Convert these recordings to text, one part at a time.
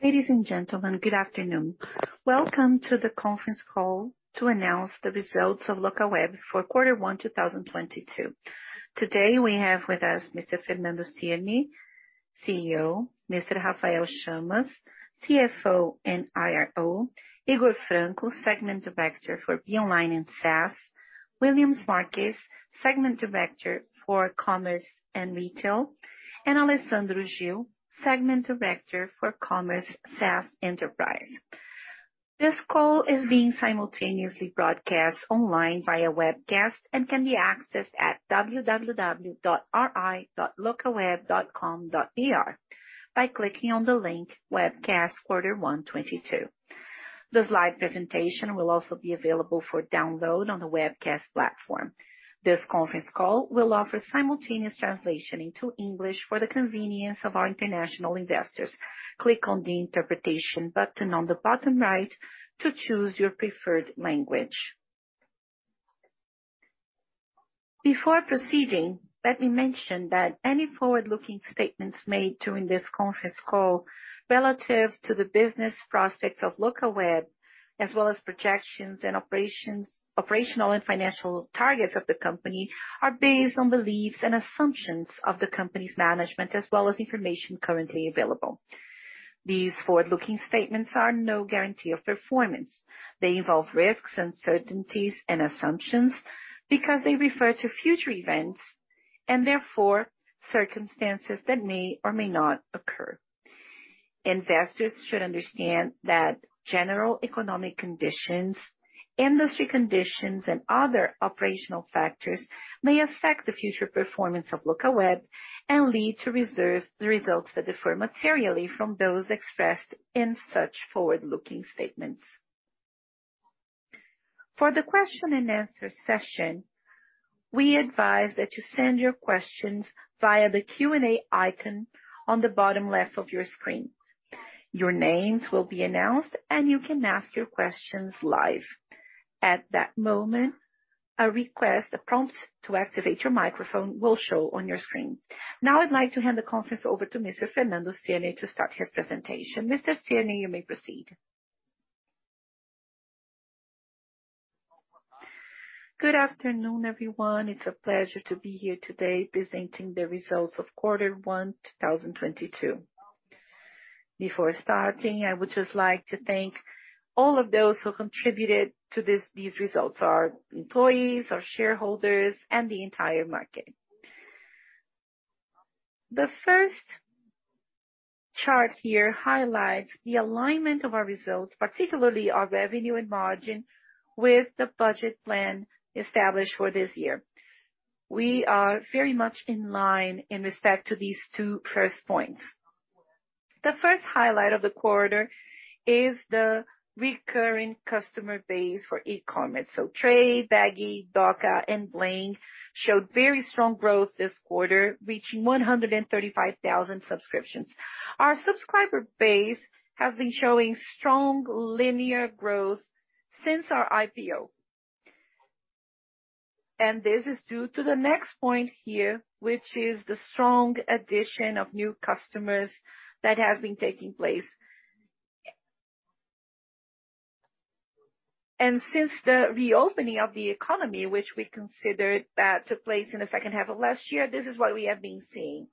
Ladies and gentlemen, good afternoon. Welcome to the conference call to announce the results of Locaweb for quarter one 2022. Today we have with us Mr. Fernando Cirne, CEO, Mr. Rafael Chamas, CFO and IRO, Higor Franco, Segment Director for Be Online and SaaS, Willians Marques, Segment Director for Commerce and Retail, and Alessandro Gil, Segment Director for Commerce SaaS Enterprise. This call is being simultaneously broadcast online via webcast and can be accessed at www.ri.locaweb.com.br by clicking on the link Webcast Quarter one 2022. The slide presentation will also be available for download on the webcast platform. This conference call will offer simultaneous translation into English for the convenience of our international investors. Click on the interpretation button on the bottom right to choose your preferred language. Before proceeding, let me mention that any forward-looking statements made during this conference call relative to the business prospects of Locaweb, as well as projections and operations and financial targets of the company, are based on beliefs and assumptions of the company's management, as well as information currently available. These forward-looking statements are no guarantee of performance. They involve risks, uncertainties and assumptions because they refer to future events and therefore circumstances that may or may not occur. Investors should understand that general economic conditions, industry conditions, and other operational factors may affect the future performance of Locaweb and lead to results that differ materially from those expressed in such forward-looking statements. For the question-and-answer session, we advise that you send your questions via the Q&A icon on the bottom left of your screen. Your names will be announced, and you can ask your questions live. At that moment, a request, a prompt to activate your microphone will show on your screen. Now I'd like to hand the conference over to Mr. Fernando Cirne to start his presentation. Mr. Cirne, you may proceed. Good afternoon, everyone. It's a pleasure to be here today presenting the results of quarter one 2022. Before starting, I would just like to thank all of those who contributed to these results, our employees, our shareholders, and the entire market. The first chart here highlights the alignment of our results, particularly our revenue and margin, with the budget plan established for this year. We are very much in line in respect to these two first points. The first highlight of the quarter is the recurring customer base for e-commerce. Tray, Bagy, Dooca, and Bling showed very strong growth this quarter, reaching 135,000 subscriptions. Our subscriber base has been showing strong linear growth since our IPO. This is due to the next point here, which is the strong addition of new customers that has been taking place. Since the reopening of the economy, which we consider that took place in the second half of last year, this is what we have been seeing.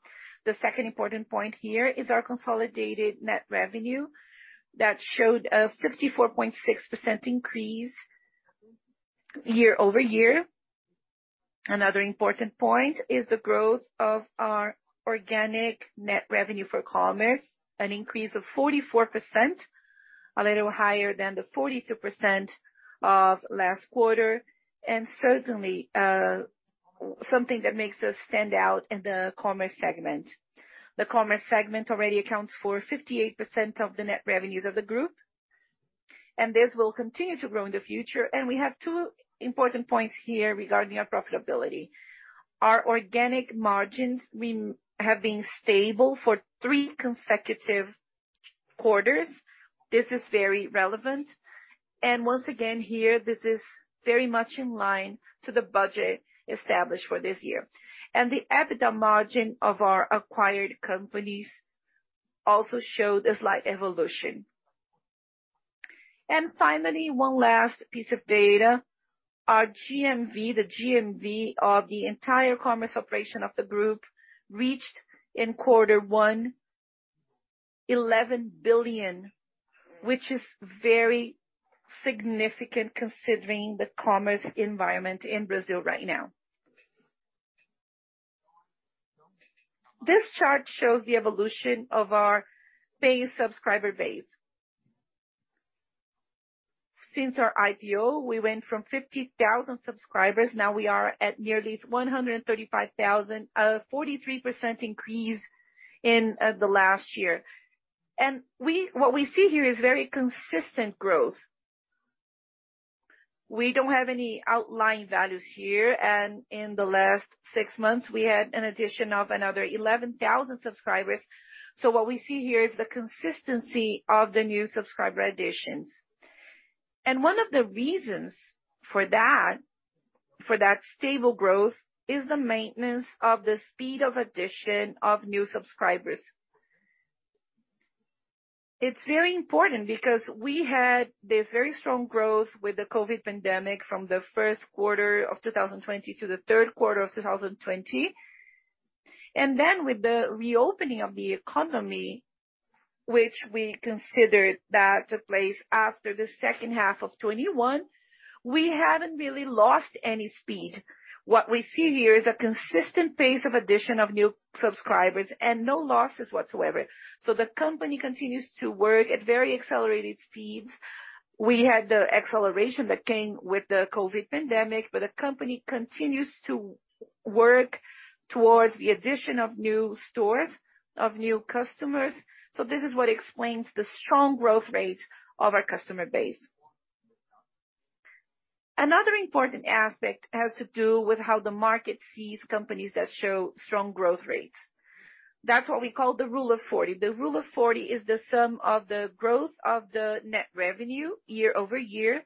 The second important point here is our consolidated net revenue that showed a 54.6% increase year-over-year. Another important point is the growth of our organic net revenue for commerce, an increase of 44%, a little higher than the 42% of last quarter. Certainly, something that makes us stand out in the commerce segment. The commerce segment already accounts for 58% of the net revenues of the group, and this will continue to grow in the future. We have two important points here regarding our profitability. Our organic margins have been stable for three consecutive quarters. This is very relevant. Once again here, this is very much in line with the budget established for this year. The EBITDA margin of our acquired companies also show the slight evolution. Finally, one last piece of data. Our GMV, the GMV of the entire commerce operation of the group reached in quarter one 11 billion, which is very significant considering the commerce environment in Brazil right now. This chart shows the evolution of our paying subscriber base. Since our IPO, we went from 50,000 subscribers. Now we are at nearly 135,000, a 43% increase in the last year. What we see here is very consistent growth. We don't have any outlying values here. In the last six months, we had an addition of another 11,000 subscribers. What we see here is the consistency of the new subscriber additions. One of the reasons for that stable growth is the maintenance of the speed of addition of new subscribers. It's very important because we had this very strong growth with the COVID pandemic from the first quarter of 2020 to the third quarter of 2020. Then with the reopening of the economy, which we considered that took place after the H2 of 2021, we haven't really lost any speed. What we see here is a consistent pace of addition of new subscribers and no losses whatsoever. The company continues to work at very accelerated speeds. We had the acceleration that came with the COVID pandemic, but the company continues to work towards the addition of new stores, of new customers. This is what explains the strong growth rate of our customer base. Another important aspect has to do with how the market sees companies that show strong growth rates. That's what we call the Rule of 40. The Rule of 40 is the sum of the growth of the net revenue year over year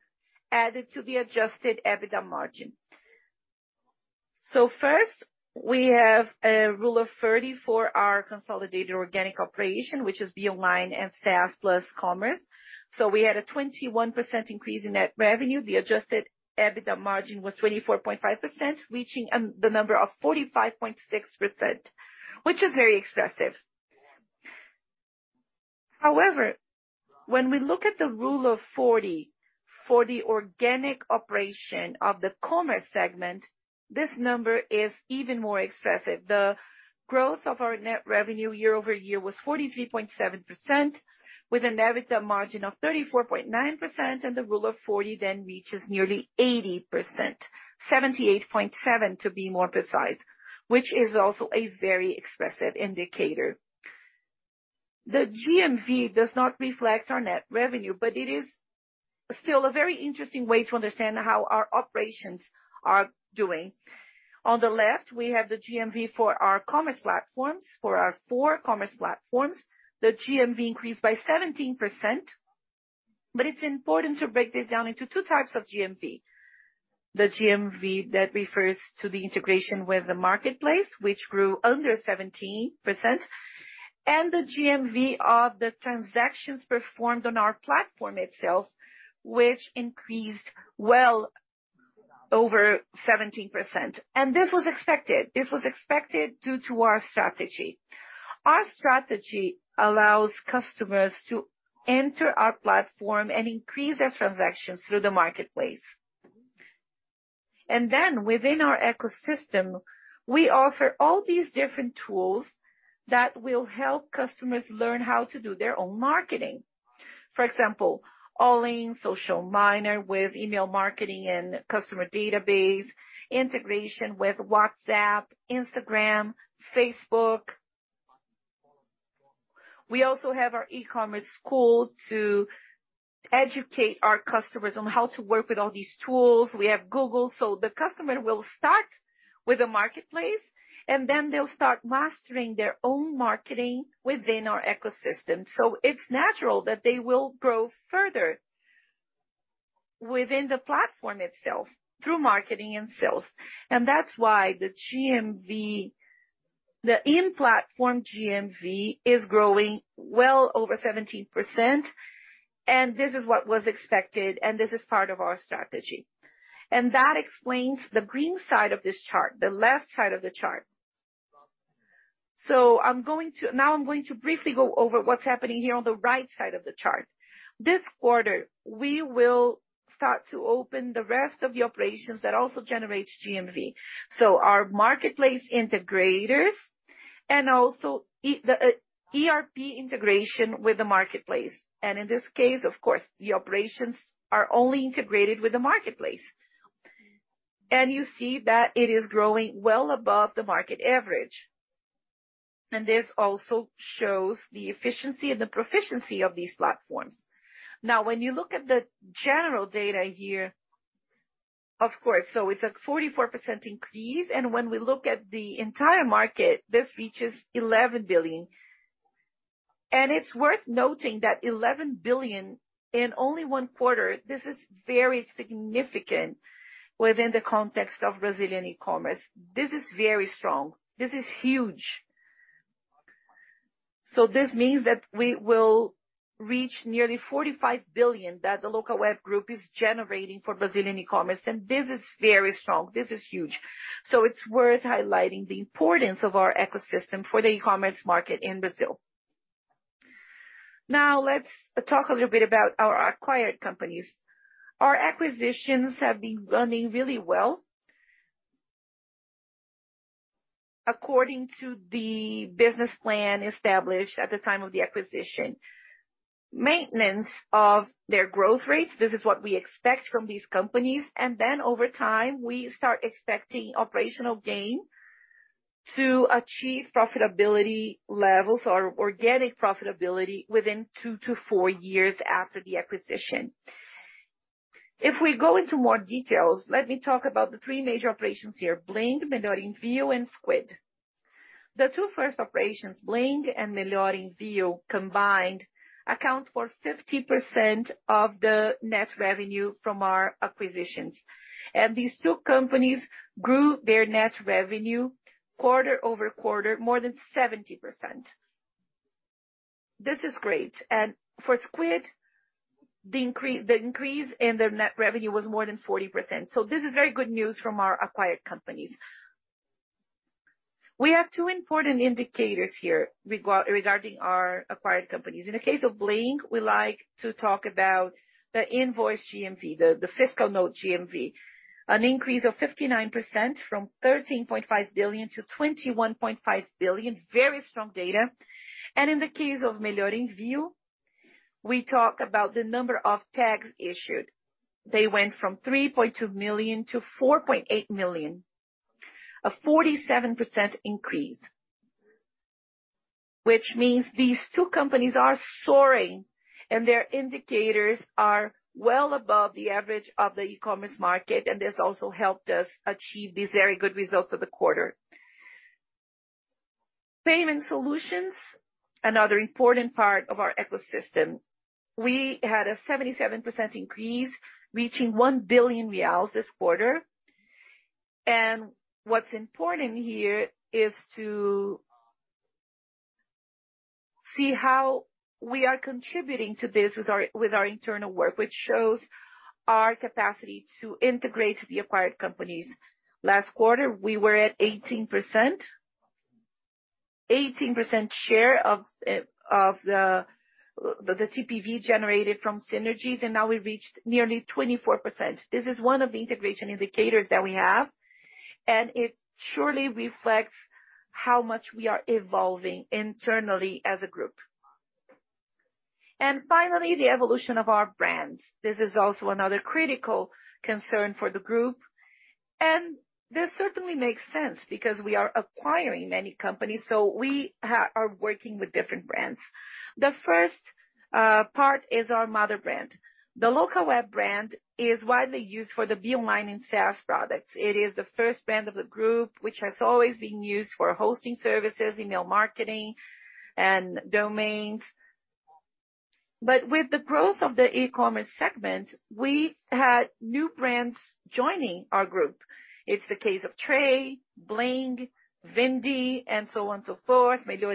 added to the Adjusted EBITDA margin. First, we have a rule of 30 for our consolidated organic operation, which is Be Online and SaaS plus commerce. We had a 21% increase in net revenue. The Adjusted EBITDA margin was 24.5%, reaching the number of 45.6%, which is very expressive. However, when we look at the Rule of 40 for the organic operation of the commerce segment, this number is even more expressive. The growth of our net revenue year-over-year was 43.7%, with an EBITDA margin of 34.9%, and the Rule of 40 then reaches nearly 80%. 78.7%, to be more precise, which is also a very expressive indicator. The GMV does not reflect our net revenue, but it is still a very interesting way to understand how our operations are doing. On the left, we have the GMV for our commerce platforms. For our four commerce platforms, the GMV increased by 17%. It's important to break this down into two types of GMV. The GMV that refers to the integration with the marketplace, which grew under 17%, and the GMV of the transactions performed on our platform itself, which increased well over 17%. This was expected. This was expected due to our strategy. Our strategy allows customers to enter our platform and increase their transactions through the marketplace. Within our ecosystem, we offer all these different tools that will help customers learn how to do their own marketing. For example, All in, Social Miner with email marketing and customer database, integration with WhatsApp, Instagram, Facebook. We also have our e-commerce school to educate our customers on how to work with all these tools. We have Google, so the customer will start with the marketplace, and then they'll start mastering their own marketing within our ecosystem. It's natural that they will grow further within the platform itself through marketing and sales. That's why the GMV, the in-platform GMV is growing well over 17%. This is what was expected, and this is part of our strategy. That explains the green side of this chart, the left side of the chart. Now I'm going to briefly go over what's happening here on the right side of the chart. This quarter, we will start to open the rest of the operations that also generates GMV. Our marketplace integrators and also the ERP integration with the marketplace. In this case, of course, the operations are only integrated with the marketplace. You see that it is growing well above the market average. This also shows the efficiency and the proficiency of these platforms. Now, when you look at the general data here, of course, so it's a 44% increase, and when we look at the entire market, this reaches 11 billion. It's worth noting that 11 billion in only one quarter, this is very significant within the context of Brazilian e-commerce. This is very strong. This is huge. This means that we will reach nearly 45 billion that the Locaweb group is generating for Brazilian e-commerce, and this is very strong. This is huge. It's worth highlighting the importance of our ecosystem for the e-commerce market in Brazil. Now, let's talk a little bit about our acquired companies. Our acquisitions have been running really well according to the business plan established at the time of the acquisition. Maintenance of their growth rates, this is what we expect from these companies. Over time, we start expecting operational gain to achieve profitability levels or organic profitability within two-four years after the acquisition. If we go into more details, let me talk about the three major operations here, Bling, Melhor Envio and Squid. The two first operations, Bling and Melhor Envio combined, account for 50% of the net revenue from our acquisitions. These two companies grew their net revenue quarter-over-quarter more than 70%. This is great. For Squid, the increase in their net revenue was more than 40%. This is very good news from our acquired companies. We have two important indicators here regarding our acquired companies. In the case of Bling, we like to talk about the invoice GMV, the fiscal note GMV. An increase of 59% from 13.5 billion-21.5 billion. Very strong data. In the case of Melhor Envio, we talk about the number of tags issued. They went from 3.2 million-4.8 million. A 47% increase, which means these two companies are soaring and their indicators are well above the average of the e-commerce market, and this also helped us achieve these very good results of the quarter. Payment solutions, another important part of our ecosystem. We had a 77% increase, reaching 1 billion reais this quarter. What's important here is to see how we are contributing to this with our internal work, which shows our capacity to integrate the acquired companies. Last quarter we were at 18%. 18% share of the TPV generated from synergies, and now we reached nearly 24%. This is one of the integration indicators that we have, and it surely reflects how much we are evolving internally as a group. Finally, the evolution of our brands. This is also another critical concern for the group, and this certainly makes sense because we are acquiring many companies, so we are working with different brands. The first part is our mother brand. The Locaweb brand is widely used for the Be Online and SaaS products. It is the first brand of the group, which has always been used for hosting services, email marketing and domains. With the growth of the e-commerce segment, we had new brands joining our group. It's the case of Tray, Bling, Vindi and so on and so forth. Melhor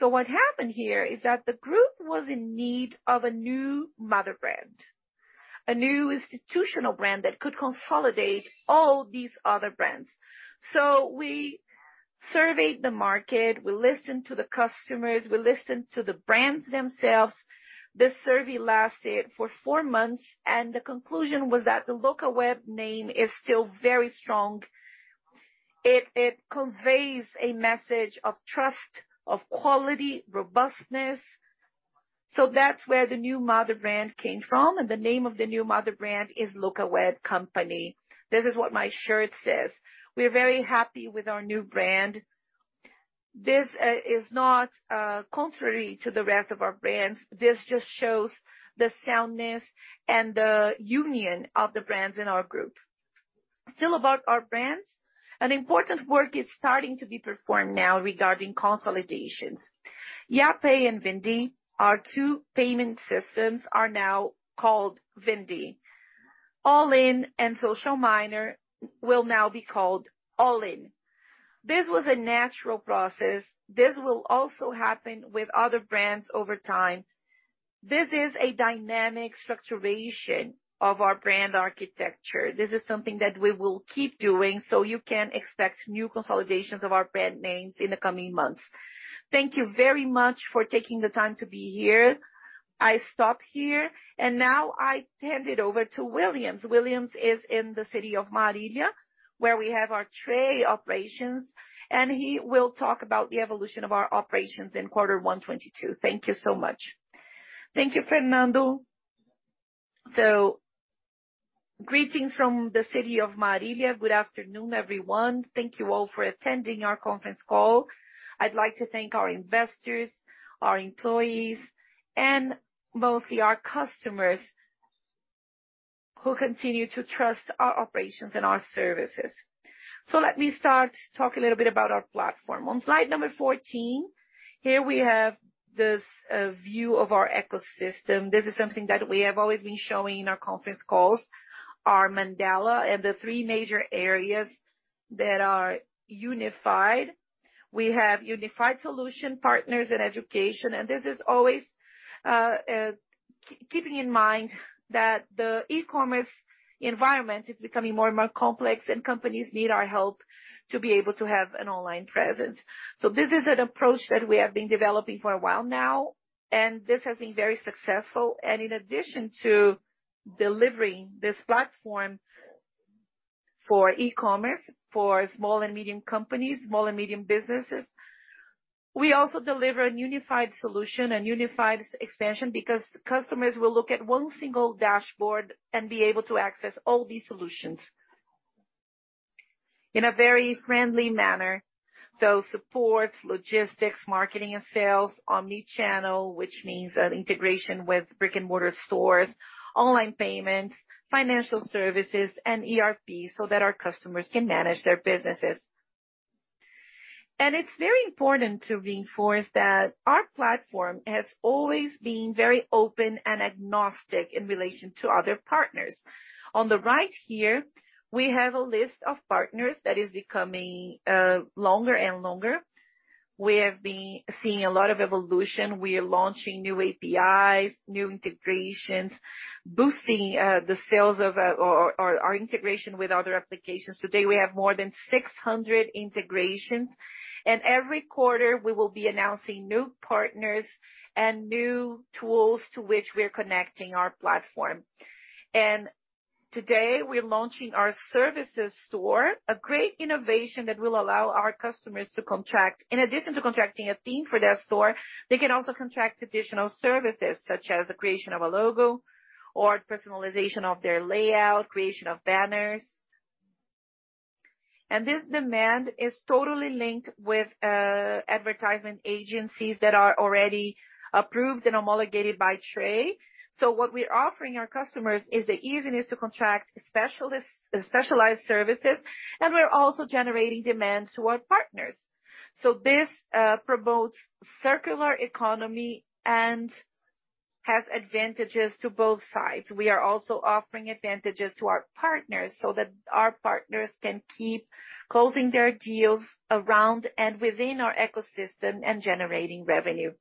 Envio. What happened here is that the group was in need of a new mother brand. A new institutional brand that could consolidate all these other brands. We surveyed the market, we listened to the customers, we listened to the brands themselves. This survey lasted for four months, and the conclusion was that the Locaweb name is still very strong. It conveys a message of trust, of quality, robustness. That's where the new mother brand came from. The name of the new mother brand is Locaweb Company. This is what my shirt says. We're very happy with our new brand. This is not contrary to the rest of our brands. This just shows the soundness and the union of the brands in our group. Still about our brands, an important work is starting to be performed now regarding consolidations. Yapay and Vindi, our two payment systems are now called Vindi. All iN and Social Miner will now be called All iN. This was a natural process. This will also happen with other brands over time. This is a dynamic structuration of our brand architecture. This is something that we will keep doing, so you can expect new consolidations of our brand names in the coming months. Thank you very much for taking the time to be here. I stop here. Now I hand it over to Williams. Williams is in the city of Marília, where we have our Tray operations, and he will talk about the evolution of our operations in quarter one 2022. Thank you so much. Thank you, Fernando. Greetings from the city of Marília. Good afternoon, everyone. Thank you all for attending our conference call. I'd like to thank our investors, our employees, and mostly our customers who continue to trust our operations and our services. Let me start to talk a little bit about our platform. On slide number 14, here we have this view of our ecosystem. This is something that we have always been showing in our conference calls. Our mandala and the three major areas that are unified. We have unified solution partners and education. This is always keeping in mind that the e-commerce environment is becoming more and more complex, and companies need our help to be able to have an online presence. This is an approach that we have been developing for a while now, and this has been very successful. In addition to delivering this platform for e-commerce, for small and medium companies, small and medium businesses, we also deliver a unified solution and unified expansion because customers will look at one single dashboard and be able to access all these solutions. In a very friendly manner. Support, logistics, marketing and sales, omni-channel, which means an integration with brick-and-mortar stores, online payments, financial services and ERP so that our customers can manage their businesses. It's very important to reinforce that our platform has always been very open and agnostic in relation to other partners. On the right here, we have a list of partners that is becoming longer and longer. We have been seeing a lot of evolution. We are launching new APIs, new integrations, boosting the sales of our integration with other applications. Today, we have more than 600 integrations, and every quarter we will be announcing new partners and new tools to which we are connecting our platform. Today, we are launching our services store, a great innovation that will allow our customers to contract. In addition to contracting a theme for their store, they can also contract additional services, such as the creation of a logo or personalization of their layout, creation of banners. This demand is totally linked with advertising agencies that are already approved and homologated by Tray. What we're offering our customers is the easiness to contract specialized services, and we're also generating demand to our partners. This promotes circular economy and has advantages to both sides. We are also offering advantages to our partners so that our partners can keep closing their deals around and within our ecosystem and generating revenue.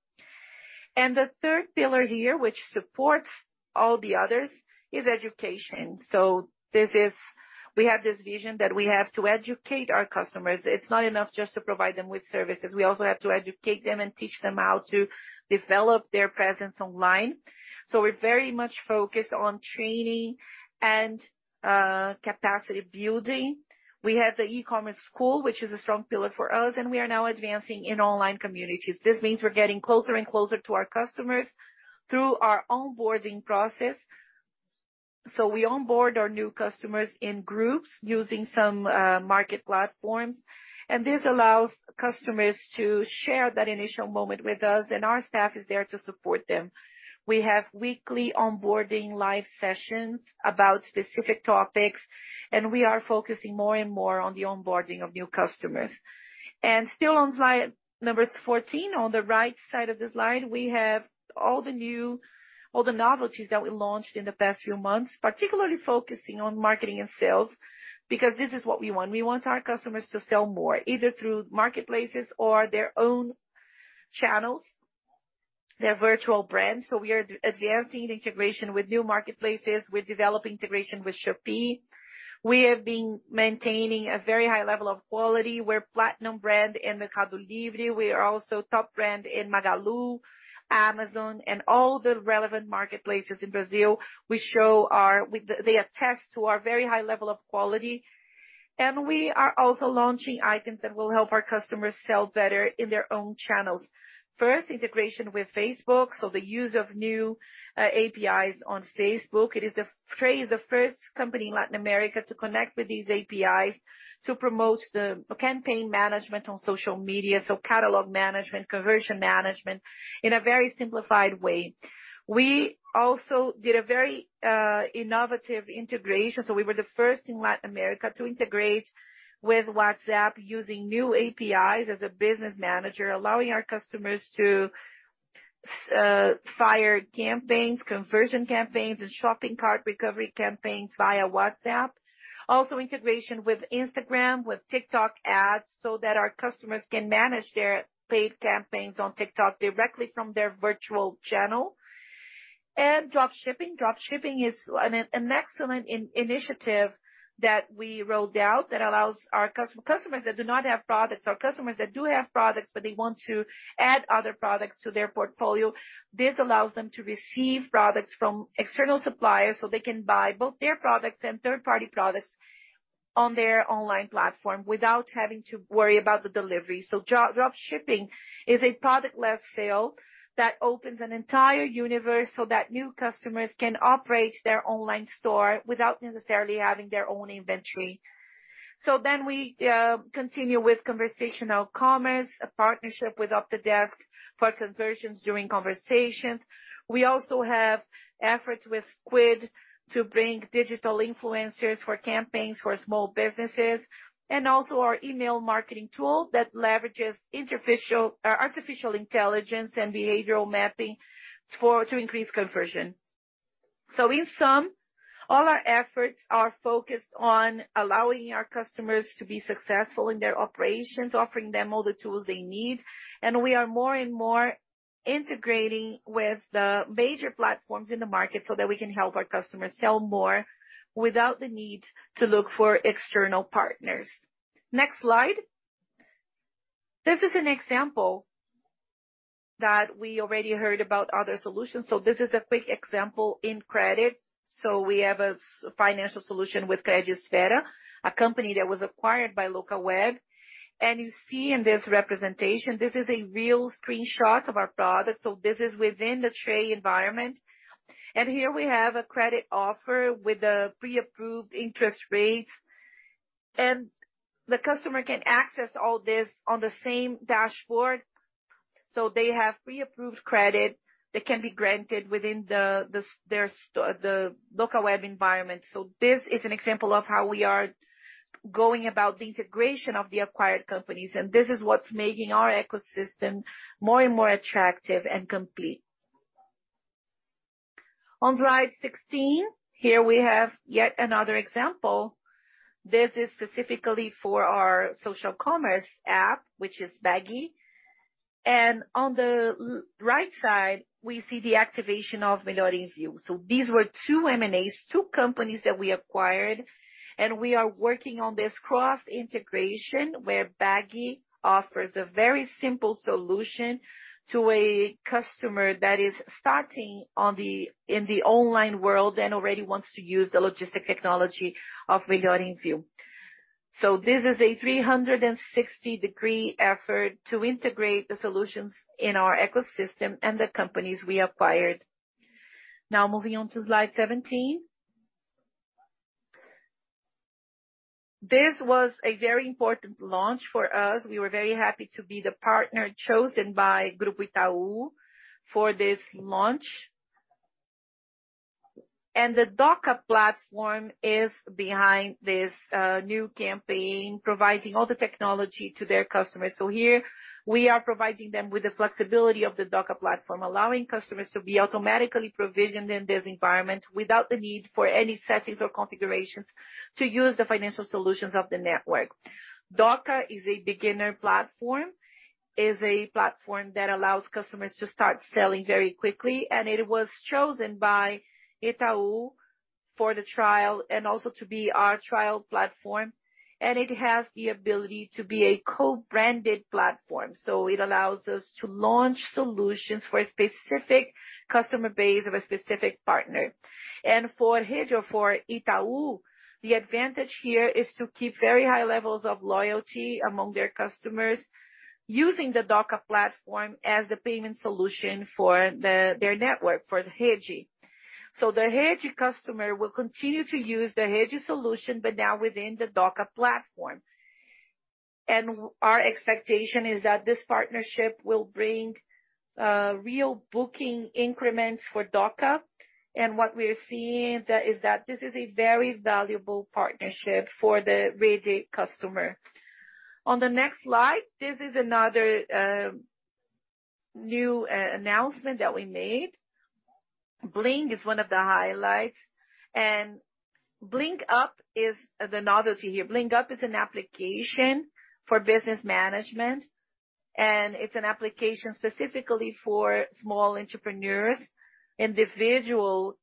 The third pillar here, which supports all the others, is education. This is. We have this vision that we have to educate our customers. It's not enough just to provide them with services. We also have to educate them and teach them how to develop their presence online. We're very much focused on training and capacity building. We have the e-commerce school, which is a strong pillar for us, and we are now advancing in online communities. This means we're getting closer and closer to our customers through our onboarding process. We onboard our new customers in groups using some market platforms, and this allows customers to share that initial moment with us, and our staff is there to support them. We have weekly onboarding live sessions about specific topics, and we are focusing more and more on the onboarding of new customers. Still on slide number 14, on the right side of the slide, we have all the novelties that we launched in the past few months, particularly focusing on marketing and sales, because this is what we want. We want our customers to sell more, either through marketplaces or their own channels, their virtual brands. We are advancing integration with new marketplaces. We're developing integration with Shopee. We have been maintaining a very high level of quality. We're platinum brand in the Mercado Livre. We are also top brand in Magalu, Amazon and all the relevant marketplaces in Brazil. They attest to our very high level of quality. We are also launching items that will help our customers sell better in their own channels. First, integration with Facebook, so the use of new APIs on Facebook. Tray is the first company in Latin America to connect with these APIs to promote the campaign management on social media, so catalog management, conversion management in a very simplified way. We also did a very innovative integration. We were the first in Latin America to integrate with WhatsApp using new APIs as a business manager, allowing our customers to fire campaigns, conversion campaigns and shopping cart recovery campaigns via WhatsApp. Integration with Instagram, with TikTok ads, so that our customers can manage their paid campaigns on TikTok directly from their virtual channel. Dropshipping. Dropshipping is an excellent initiative that we rolled out that allows our customers that do not have products or customers that do have products, but they want to add other products to their portfolio, this allows them to receive products from external suppliers so they can buy both their products and third-party products on their online platform without having to worry about the delivery. Dropshipping is a product-less sale that opens an entire universe so that new customers can operate their online store without necessarily having their own inventory. We continue with conversational commerce, a partnership with Octadesk for conversions during conversations. We also have efforts with Squid to bring digital influencers for campaigns for small businesses, and also our email marketing tool that leverages artificial intelligence and behavioral mapping to increase conversion. In sum, all our efforts are focused on allowing our customers to be successful in their operations, offering them all the tools they need. We are more and more integrating with the major platforms in the market so that we can help our customers sell more without the need to look for external partners. Next slide. This is an example that we already heard about other solutions. This is a quick example in credit. We have a financial solution with Credisfera, a company that was acquired by Locaweb. You see in this representation, this is a real screenshot of our product. This is within the Tray environment. Here we have a credit offer with the pre-approved interest rates. The customer can access all this on the same dashboard. They have pre-approved credit that can be granted within the Dooca environment. This is an example of how we are going about the integration of the acquired companies, and this is what's making our ecosystem more and more attractive and complete. On slide 16, here we have yet another example. This is specifically for our social commerce app, which is Bagy. On the right side, we see the activation of Melhor Envio. These were two M&As, two companies that we acquired, and we are working on this cross-integration, where Bagy offers a very simple solution to a customer that is starting in the online world and already wants to use the logistic technology of Melhor Envio. This is a 360-degree effort to integrate the solutions in our ecosystem and the companies we acquired. Now moving on to slide 17. This was a very important launch for us. We were very happy to be the partner chosen by Grupo Itaú for this launch. The Dooca platform is behind this new campaign, providing all the technology to their customers. Here we are providing them with the flexibility of the Dooca platform, allowing customers to be automatically provisioned in this environment without the need for any settings or configurations to use the financial solutions of the network. Dooca is a beginner platform, is a platform that allows customers to start selling very quickly, and it was chosen by Itaú for the trial and also to be our trial platform. It has the ability to be a co-branded platform. It allows us to launch solutions for a specific customer base of a specific partner. For Rede, for Itaú, the advantage here is to keep very high levels of loyalty among their customers using the Dooca platform as the payment solution for their network, for Rede. The Rede customer will continue to use the Rede solution, but now within the Dooca platform. Our expectation is that this partnership will bring real booking increments for Dooca. What we're seeing there is that this is a very valuable partnership for the Rede customer. On the next slide, this is another new announcement that we made. Bling is one of the highlights. Bling Up is the novelty here. Bling Up is an application for business management, and it's an application specifically for small entrepreneurs, individual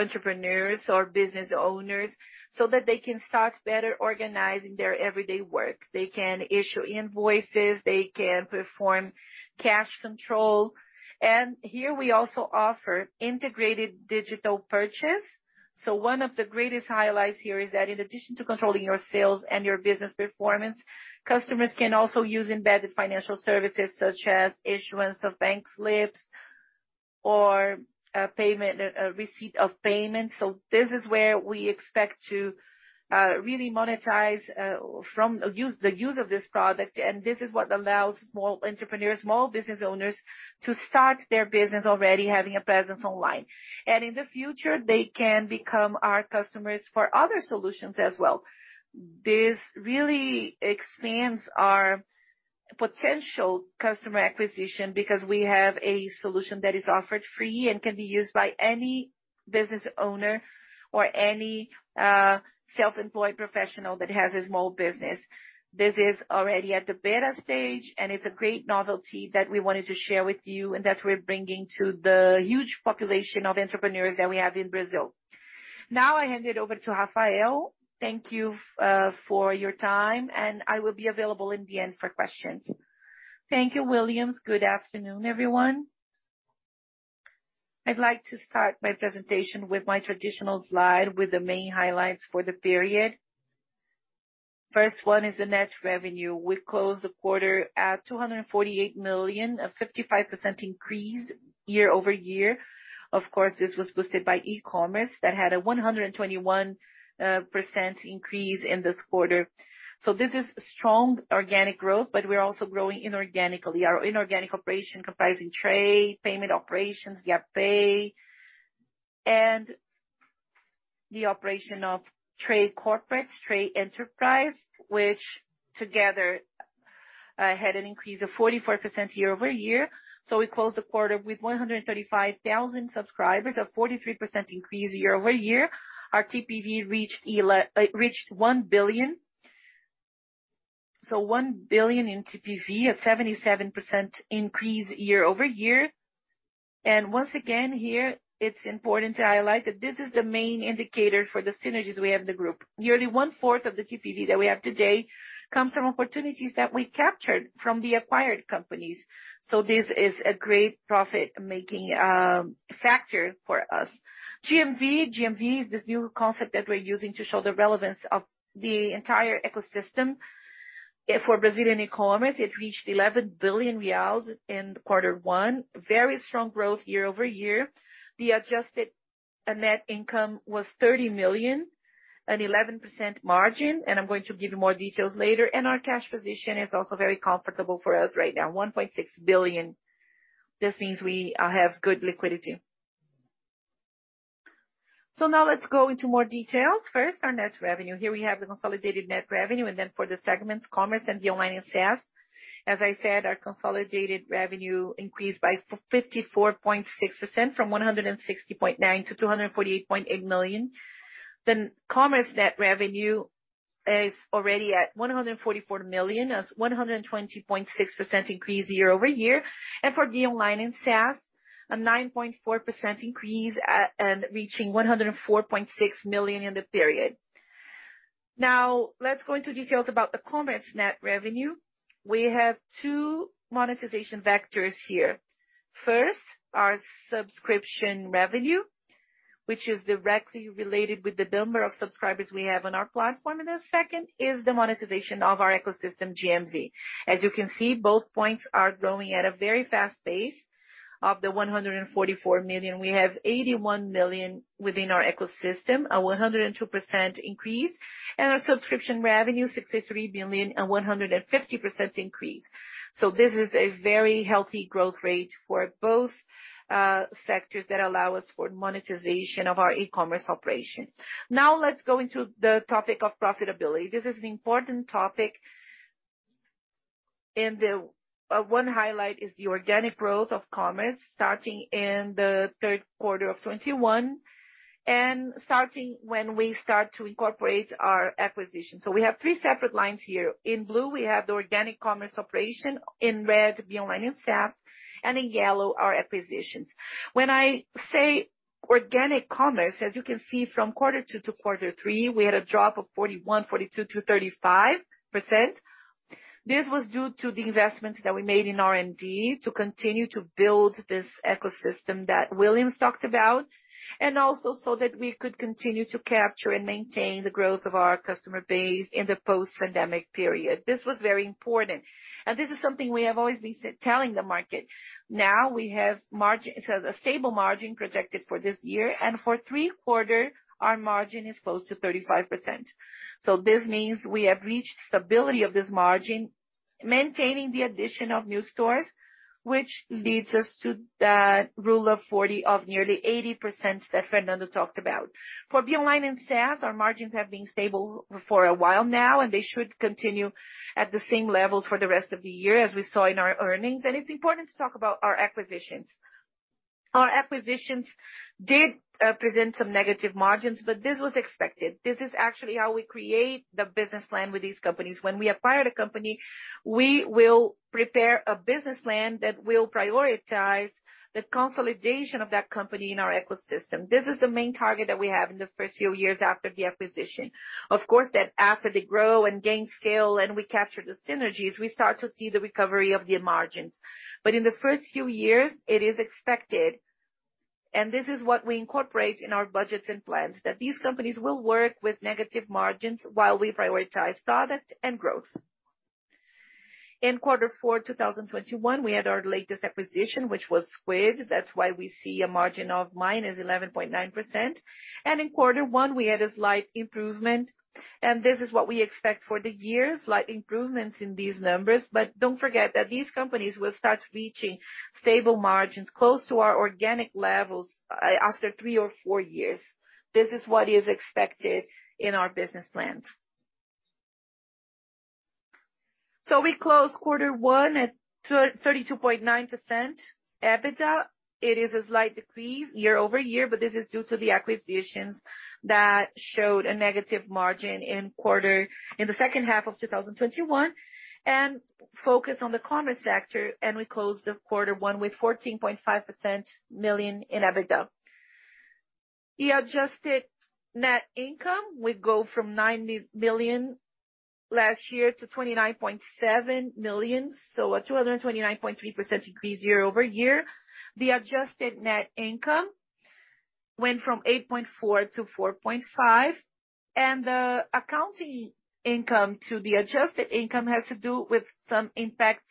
entrepreneurs or business owners, so that they can start better organizing their everyday work. They can issue invoices, they can perform cash control. Here we also offer integrated digital purchase. One of the greatest highlights here is that in addition to controlling your sales and your business performance, customers can also use embedded financial services such as issuance of bank slips or payment receipt of payments. This is where we expect to really monetize from the use of this product. This is what allows small entrepreneurs, small business owners to start their business already having a presence online. In the future, they can become our customers for other solutions as well. This really expands our potential customer acquisition because we have a solution that is offered free and can be used by any business owner or any self-employed professional that has a small business. This is already at the beta stage, and it's a great novelty that we wanted to share with you and that we're bringing to the huge population of entrepreneurs that we have in Brazil. Now, I hand it over to Rafael. Thank you for your time, and I will be available in the end for questions. Thank you, Williams. Good afternoon, everyone. I'd like to start my presentation with my traditional slide with the main highlights for the period. First one is the net revenue. We closed the quarter at 248 million, a 55% increase year-over-year. Of course, this was boosted by e-commerce that had a 121% increase in this quarter. This is strong organic growth, but we're also growing inorganically. Our inorganic operation comprising Tray, payment operations, Vindi, and the operation of Tray Corporate, Tray Enterprise, which together had an increase of 44% year-over-year. We closed the quarter with 135,000 subscribers, a 43% increase year-over-year. Our TPV reached 1 billion. 1 billion in TPV, a 77% increase year-over-year. Once again, here it's important to highlight that this is the main indicator for the synergies we have in the group. Nearly 1/4 of the TPV that we have today comes from opportunities that we captured from the acquired companies. This is a great profit-making factor for us. GMV. GMV is this new concept that we're using to show the relevance of the entire ecosystem. For Brazilian e-commerce, it reached 11 billion reais in quarter one. Very strong growth year-over-year. The adjusted net income was 30 million, an 11% margin, and I'm going to give you more details later. Our cash position is also very comfortable for us right now, 1.6 billion. This means we have good liquidity. Now let's go into more details. First, our net revenue. Here we have the consolidated net revenue, and then for the segments, commerce and Be Online and SaaS. As I said, our consolidated revenue increased by 54.6% from 160.9 to 248.8 million. Commerce net revenue is already at 144 million, a 120.6% increase year-over-year. For Be Online and SaaS, a 9.4% increase, reaching 104.6 million in the period. Now, let's go into details about the commerce net revenue. We have two monetization vectors here. First, our subscription revenue, which is directly related with the number of subscribers we have on our platform. The second is the monetization of our ecosystem, GMV. As you can see, both points are growing at a very fast pace. Of the 144 million, we have 81 million within our ecosystem, a 102% increase. Our subscription revenue, 63 million, a 150% increase. This is a very healthy growth rate for both sectors that allow us for monetization of our e-commerce operations. Now, let's go into the topic of profitability. This is an important topic. One highlight is the organic growth of commerce starting in the third quarter of 2021 and starting when we start to incorporate our acquisition. We have three separate lines here. In blue, we have the organic commerce operation, in red, Be Online and SaaS, and in yellow, our acquisitions. When I say organic commerce, as you can see from quarter two to quarter three, we had a drop of 41%, 42%-35%. This was due to the investments that we made in R&D to continue to build this ecosystem that Williams talked about, and also so that we could continue to capture and maintain the growth of our customer base in the post-pandemic period. This was very important, and this is something we have always been telling the market. Now we have a stable margin projected for this year, and for the third quarter, our margin is close to 35%. This means we have reached stability of this margin, maintaining the addition of new stores, which leads us to that Rule of 40 of nearly 80% that Fernando talked about. For Be Online and SaaS, our margins have been stable for a while now, and they should continue at the same levels for the rest of the year as we saw in our earnings. It's important to talk about our acquisitions. Our acquisitions did present some negative margins, but this was expected. This is actually how we create the business plan with these companies. When we acquire the company, we will prepare a business plan that will prioritize the consolidation of that company in our ecosystem. This is the main target that we have in the first few years after the acquisition. Of course, after they grow and gain scale and we capture the synergies, we start to see the recovery of the margins. But in the first few years, it is expected, and this is what we incorporate in our budgets and plans, that these companies will work with negative margins while we prioritize product and growth. In quarter four, 2021, we had our latest acquisition, which was Squid. That's why we see a margin of -11.9%. In quarter one, we had a slight improvement, and this is what we expect for the year, slight improvements in these numbers. Don't forget that these companies will start reaching stable margins close to our organic levels after three or four years. This is what is expected in our business plans. We closed quarter one at 32.9% EBITDA. It is a slight decrease year-over-year, but this is due to the acquisitions that showed a negative margin in the H2 of 2021. Focus on the commerce sector, and we closed quarter one with 14.5 million in EBITDA. The adjusted net income will go from 90 million last year to 29.7 million, so a 229.3% decrease year-over-year. The adjusted net income went from 8.4 million-4.5 million. The accounting income to the adjusted income has to do with some impacts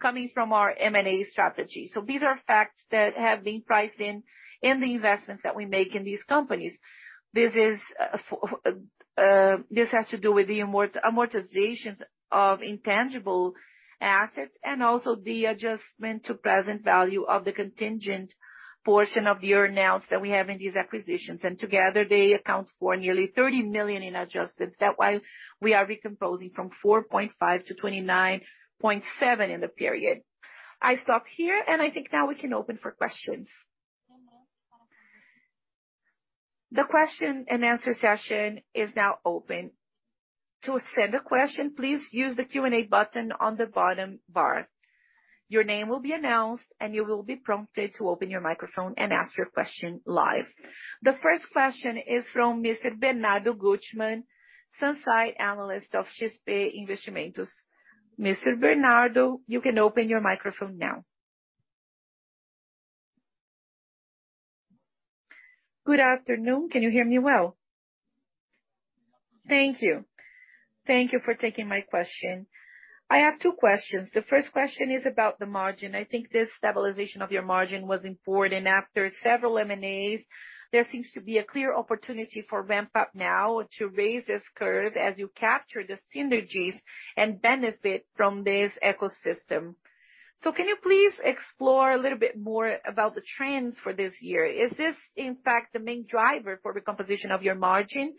coming from our M&A strategy. These are facts that have been priced in in the investments that we make in these companies. This has to do with the amortizations of intangible assets and also the adjustment to present value of the contingent portion of the earn-outs that we have in these acquisitions. Together, they account for nearly 30 million in adjustments. That's why we are recomposing from 4.5 million-29.7 million in the period. I stop here, and I think now we can open for questions. The question-and-answer session is now open. To ask send a question, please use the Q&A button on the bottom bar. Your name will be announced, and you will be prompted to open your microphone and ask your question live. The first question is from Mr. Bernardo Guttmann, Senior Equity Analyst of XP Investimentos. Mr. Bernardo, you can open your microphone now. Good afternoon. Can you hear me well? Thank you. Thank you for taking my question. I have two questions. The first question is about the margin. I think the stabilization of your margin was important. After several M&As, there seems to be a clear opportunity for ramp up now to raise this curve as you capture the synergies and benefit from this ecosystem. Can you please explore a little bit more about the trends for this year? Is this in fact the main driver for recomposition of your margin,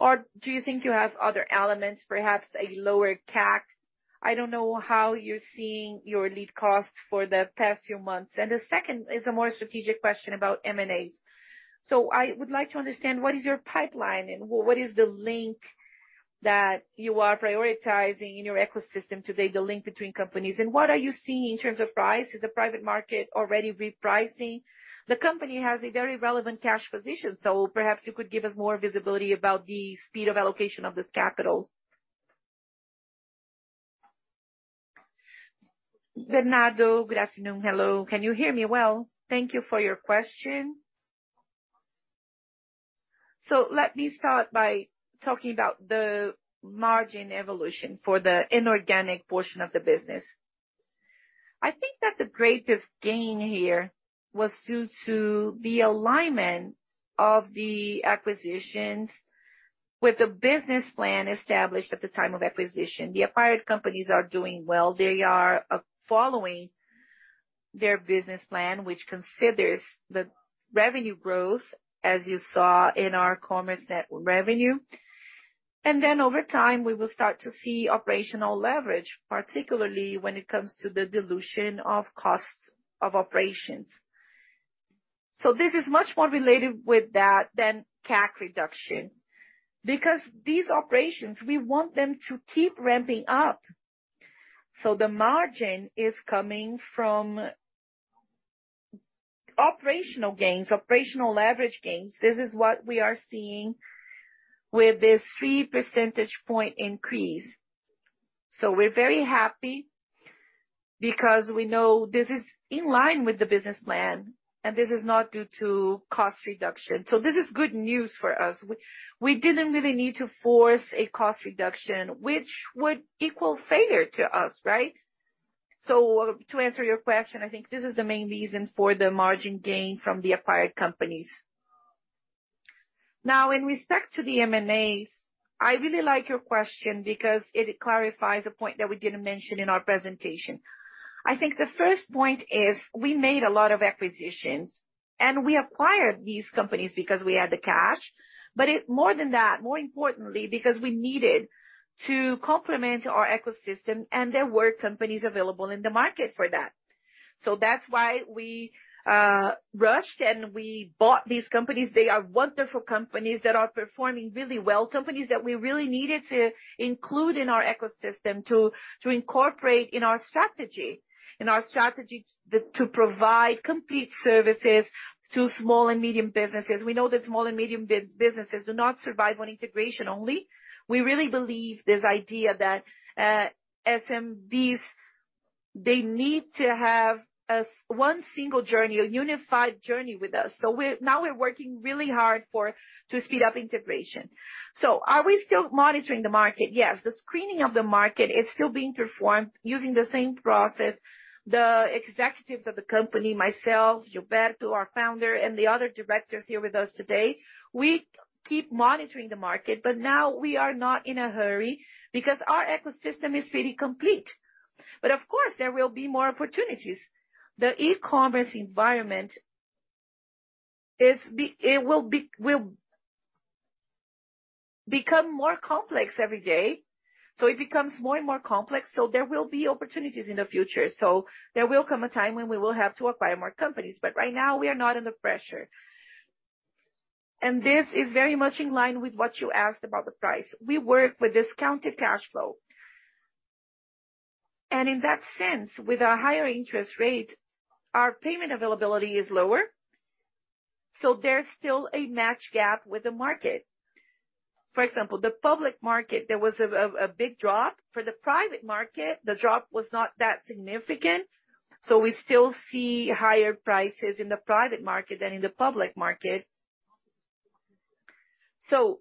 or do you think you have other elements, perhaps a lower CAC? I don't know how you're seeing your lead costs for the past few months. The second is a more strategic question about M&As. I would like to understand what is your pipeline and what is the link that you are prioritizing in your ecosystem today, the link between companies, and what are you seeing in terms of price? Is the private market already repricing? The company has a very relevant cash position, so perhaps you could give us more visibility about the speed of allocation of this capital. Bernardo, good afternoon. Hello. Can you hear me well? Thank you for your question. Let me start by talking about the margin evolution for the inorganic portion of the business. I think that the greatest gain here was due to the alignment of the acquisitions with the business plan established at the time of acquisition. The acquired companies are doing well. They are following their business plan, which considers the revenue growth, as you saw in our commerce net revenue. Over time, we will start to see operational leverage, particularly when it comes to the dilution of costs of operations. This is much more related with that than CAC reduction, because these operations, we want them to keep ramping up. The margin is coming from operational gains, operational leverage gains. This is what we are seeing with this 3% point increase. We're very happy because we know this is in line with the business plan, and this is not due to cost reduction. This is good news for us. We didn't really need to force a cost reduction, which would equal failure to us, right? To answer your question, I think this is the main reason for the margin gain from the acquired companies. Now, in respect to the M&As, I really like your question because it clarifies a point that we didn't mention in our presentation. I think the first point is we made a lot of acquisitions, and we acquired these companies because we had the cash. But more than that, more importantly, because we needed to complement our ecosystem and there were companies available in the market for that. That's why we rushed and we bought these companies. They are wonderful companies that are performing really well, companies that we really needed to include in our ecosystem, to incorporate in our strategy. In our strategy to provide complete services to small and medium businesses. We know that small and medium businesses do not survive on integration only. We really believe this idea that, SMBs, they need to have one single journey, a unified journey with us. Now we're working really hard to speed up integration. Are we still monitoring the market? Yes. The screening of the market is still being performed using the same process. The executives of the company, myself, Gilberto, our founder, and the other directors here with us today, we keep monitoring the market, but now we are not in a hurry because our ecosystem is pretty complete. Of course, there will be more opportunities. The e-commerce environment will become more complex every day. It becomes more and more complex, so there will be opportunities in the future. There will come a time when we will have to acquire more companies, but right now we are not under pressure. This is very much in line with what you asked about the price. We work with discounted cash flow. In that sense, with our higher interest rate, our payment availability is lower, so there's still a match gap with the market. For example, the public market, there was a big drop. For the private market, the drop was not that significant, so we still see higher prices in the private market than in the public market.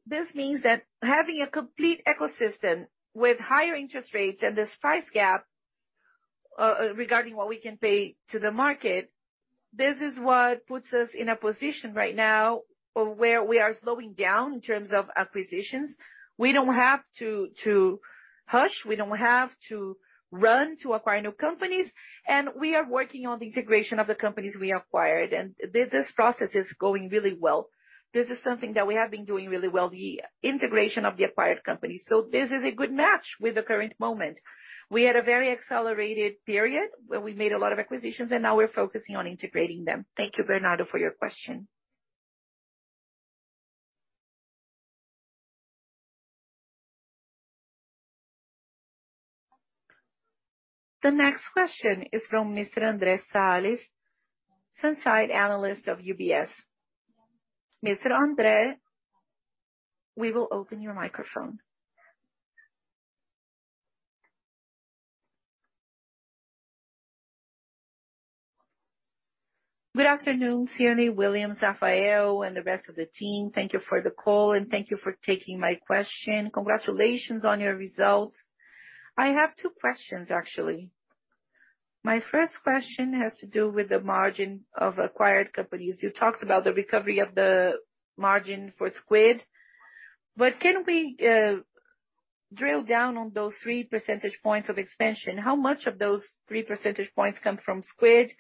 This means that having a complete ecosystem with higher interest rates and this price gap, regarding what we can pay to the market, this is what puts us in a position right now where we are slowing down in terms of acquisitions. We don't have to rush, we don't have to run to acquire new companies, and we are working on the integration of the companies we acquired. This process is going really well. This is something that we have been doing really well, the integration of the acquired companies. This is a good match with the current moment. We had a very accelerated period where we made a lot of acquisitions, and now we're focusing on integrating them. Thank you, Bernardo, for your question. The next question is from Mr. Andre Salles, Equity Analyst of UBS. Mr. Andre Salles, we will open your microphone. Good afternoon, Cirne, William Marques, Rafael Chamas, and the rest of the team. Thank you for the call, and thank you for taking my question. Congratulations on your results. I have two questions, actually. My first question has to do with the margin of acquired companies. You talked about the recovery of the margin for Squid. Can we drill down on those three percentage points of expansion? How much of those three percentage points come from Squid,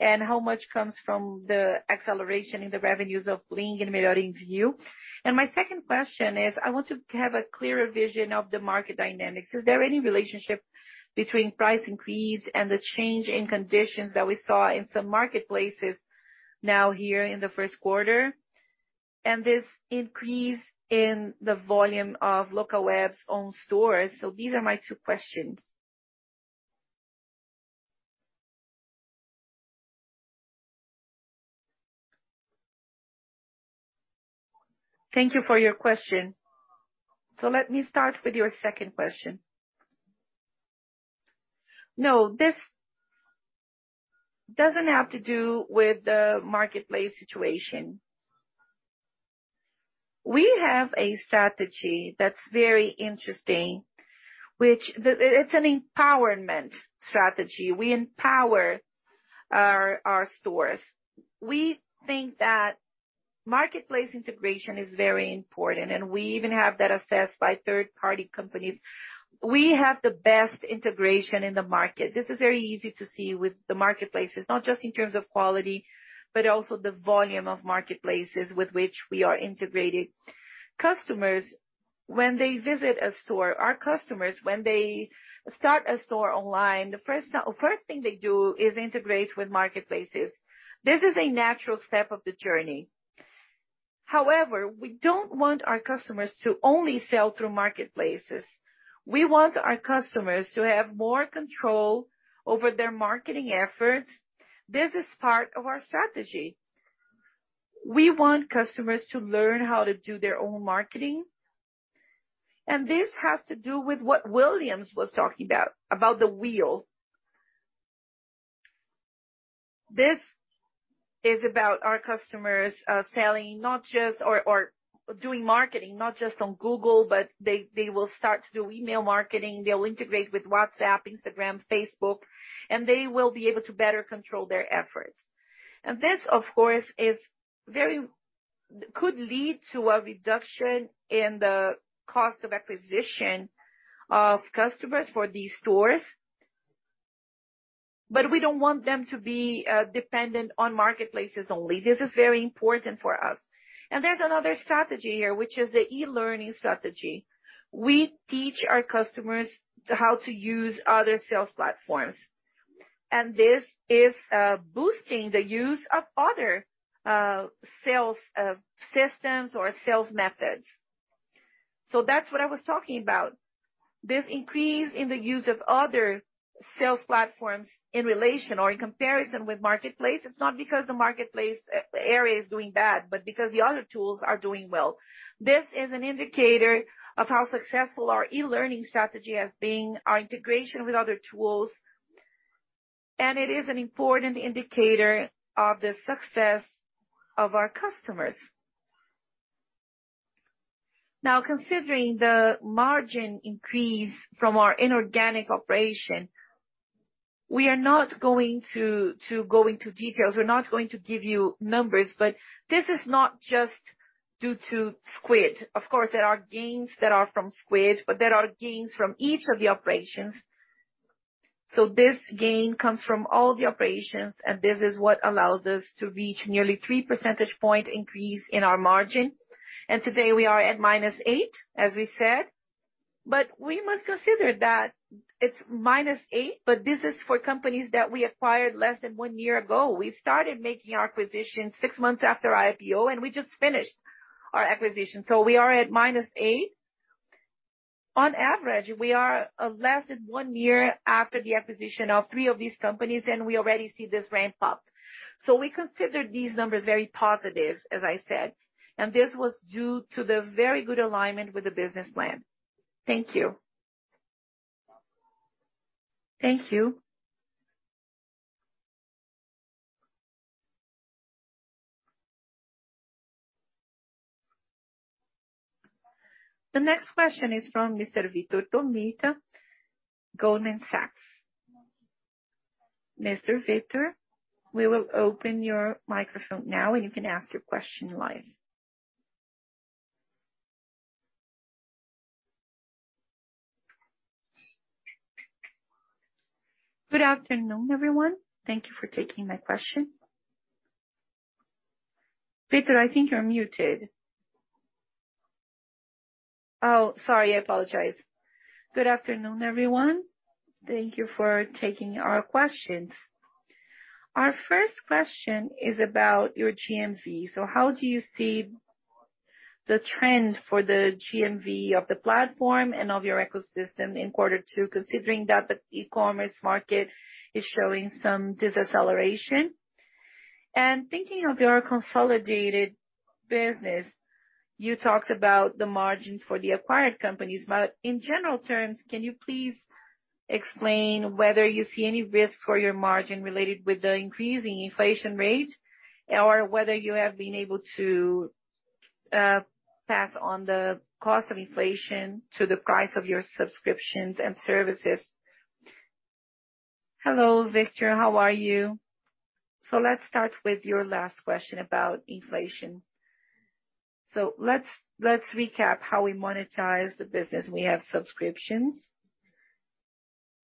and how much comes from the acceleration in the revenues of Bling and Melhor Envio? My second question is, I want to have a clearer vision of the market dynamics. Is there any relationship between price increase and the change in conditions that we saw in some marketplaces now here in the first quarter? This increase in the volume of Locaweb's own stores. These are my two questions. Thank you for your question. Let me start with your second question. No, this doesn't have to do with the marketplace situation. We have a strategy that's very interesting. It's an empowerment strategy. We empower our stores. We think that marketplace integration is very important, and we even have that assessed by third-party companies. We have the best integration in the market. This is very easy to see with the marketplaces, not just in terms of quality, but also the volume of marketplaces with which we are integrated. Our customers, when they start a store online, the first thing they do is integrate with marketplaces. This is a natural step of the journey. However, we don't want our customers to only sell through marketplaces. We want our customers to have more control over their marketing efforts. This is part of our strategy. We want customers to learn how to do their own marketing. This has to do with what Williams was talking about the wheel. This is about our customers selling not just or doing marketing, not just on Google, but they will start to do email marketing. They'll integrate with WhatsApp, Instagram, Facebook, and they will be able to better control their efforts. This, of course, could lead to a reduction in the cost of acquisition of customers for these stores. We don't want them to be dependent on marketplaces only. This is very important for us. There's another strategy here, which is the e-learning strategy. We teach our customers how to use other sales platforms. This is boosting the use of other sales systems or sales methods. That's what I was talking about. This increase in the use of other sales platforms in relation or in comparison with marketplace, it's not because the marketplace area is doing bad, but because the other tools are doing well. This is an indicator of how successful our e-learning strategy has been, our integration with other tools, and it is an important indicator of the success of our customers. Now, considering the margin increase from our inorganic operation, we are not going to go into details. We're not going to give you numbers. This is not just due to Squid. Of course, there are gains that are from Squid, but there are gains from each of the operations. This gain comes from all the operations, and this is what allows us to reach nearly 3% point increase in our margin. Today we are at -8%, as we said. We must consider that it's -8%, but this is for companies that we acquired less than one year ago. We started making our acquisitions six months after IPO, and we just finished our acquisition. We are at -8%. On average, we are less than one year after the acquisition of three of these companies, and we already see this ramp up. We consider these numbers very positive, as I said. This was due to the very good alignment with the business plan. Thank you. Thank you. The next question is from Mr. Vitor Tomita, Goldman Sachs. Mr. Vitor, we will open your microphone now, and you can ask your question live. Good afternoon, everyone. Thank you for taking my question. Vitor, I think you're muted. Oh, sorry, I apologize. Good afternoon, everyone. Thank you for taking our questions. Our first question is about your GMV. How do you see the trend for the GMV of the platform and of your ecosystem in quarter two, considering that the e-commerce market is showing some deceleration? Thinking of your consolidated business. You talked about the margins for the acquired companies. In general terms, can you please explain whether you see any risk for your margin related with the increasing inflation rate or whether you have been able to pass on the cost of inflation to the price of your subscriptions and services. Hello, Victor. How are you? Let's start with your last question about inflation. Let's recap how we monetize the business. We have subscriptions,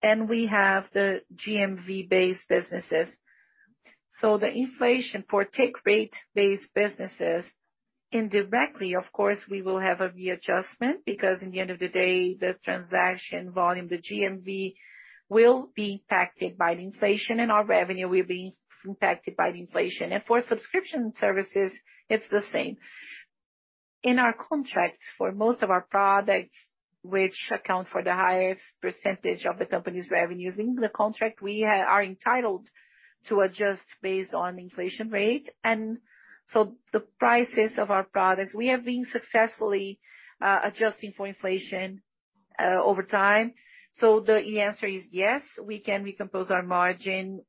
and we have the GMV-based businesses. The inflation for take rate-based businesses, indirectly, of course, we will have a readjustment because at the end of the day, the transaction volume, the GMV will be impacted by the inflation, and our revenue will be impacted by the inflation. For subscription services, it's the same. In our contracts for most of our products, which account for the highest percentage of the company's revenues, we are entitled to adjust based on inflation rate. The prices of our products, we have been successfully adjusting for inflation over time. The answer is yes, we can recompose our margin,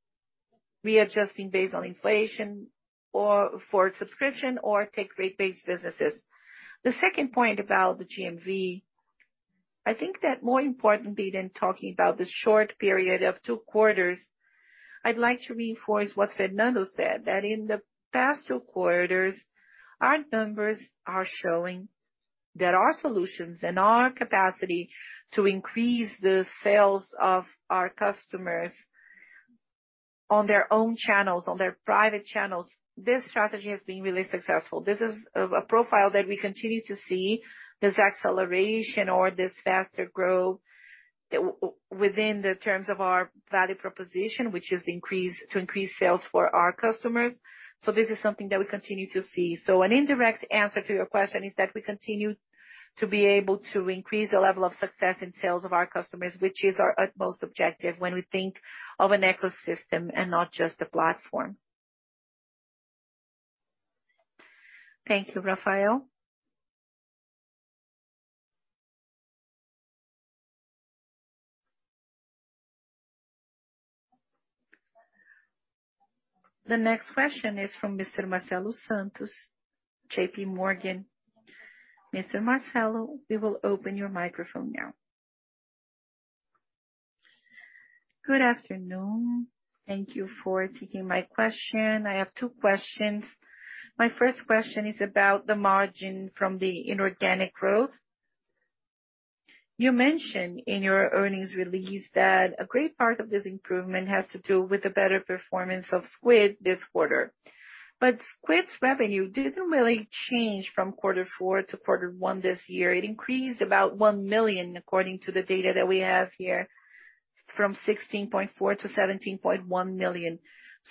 readjusting based on inflation or for subscription or take rate-based businesses. The second point about the GMV, I think that more importantly than talking about the short period of two quarters, I'd like to reinforce what Fernando said, that in the past two quarters, our numbers are showing that our solutions and our capacity to increase the sales of our customers on their own channels, on their private channels, this strategy has been really successful. This is a profile that we continue to see, this acceleration or this faster growth within the terms of our value proposition, which is to increase sales for our customers. This is something that we continue to see. An indirect answer to your question is that we continue to be able to increase the level of success in sales of our customers, which is our utmost objective when we think of an ecosystem and not just a platform. Thank you, Rafael. The next question is from Mr. Marcelo Santos, JPMorgan. Mr. Marcelo, we will open your microphone now. Good afternoon. Thank you for taking my question. I have two questions. My first question is about the margin from the inorganic growth. You mentioned in your earnings release that a great part of this improvement has to do with the better performance of Squid this quarter. But Squid's revenue didn't really change from quarter four to quarter one this year. It increased about 1 million, according to the data that we have here, from 16.4 million-17.1 million.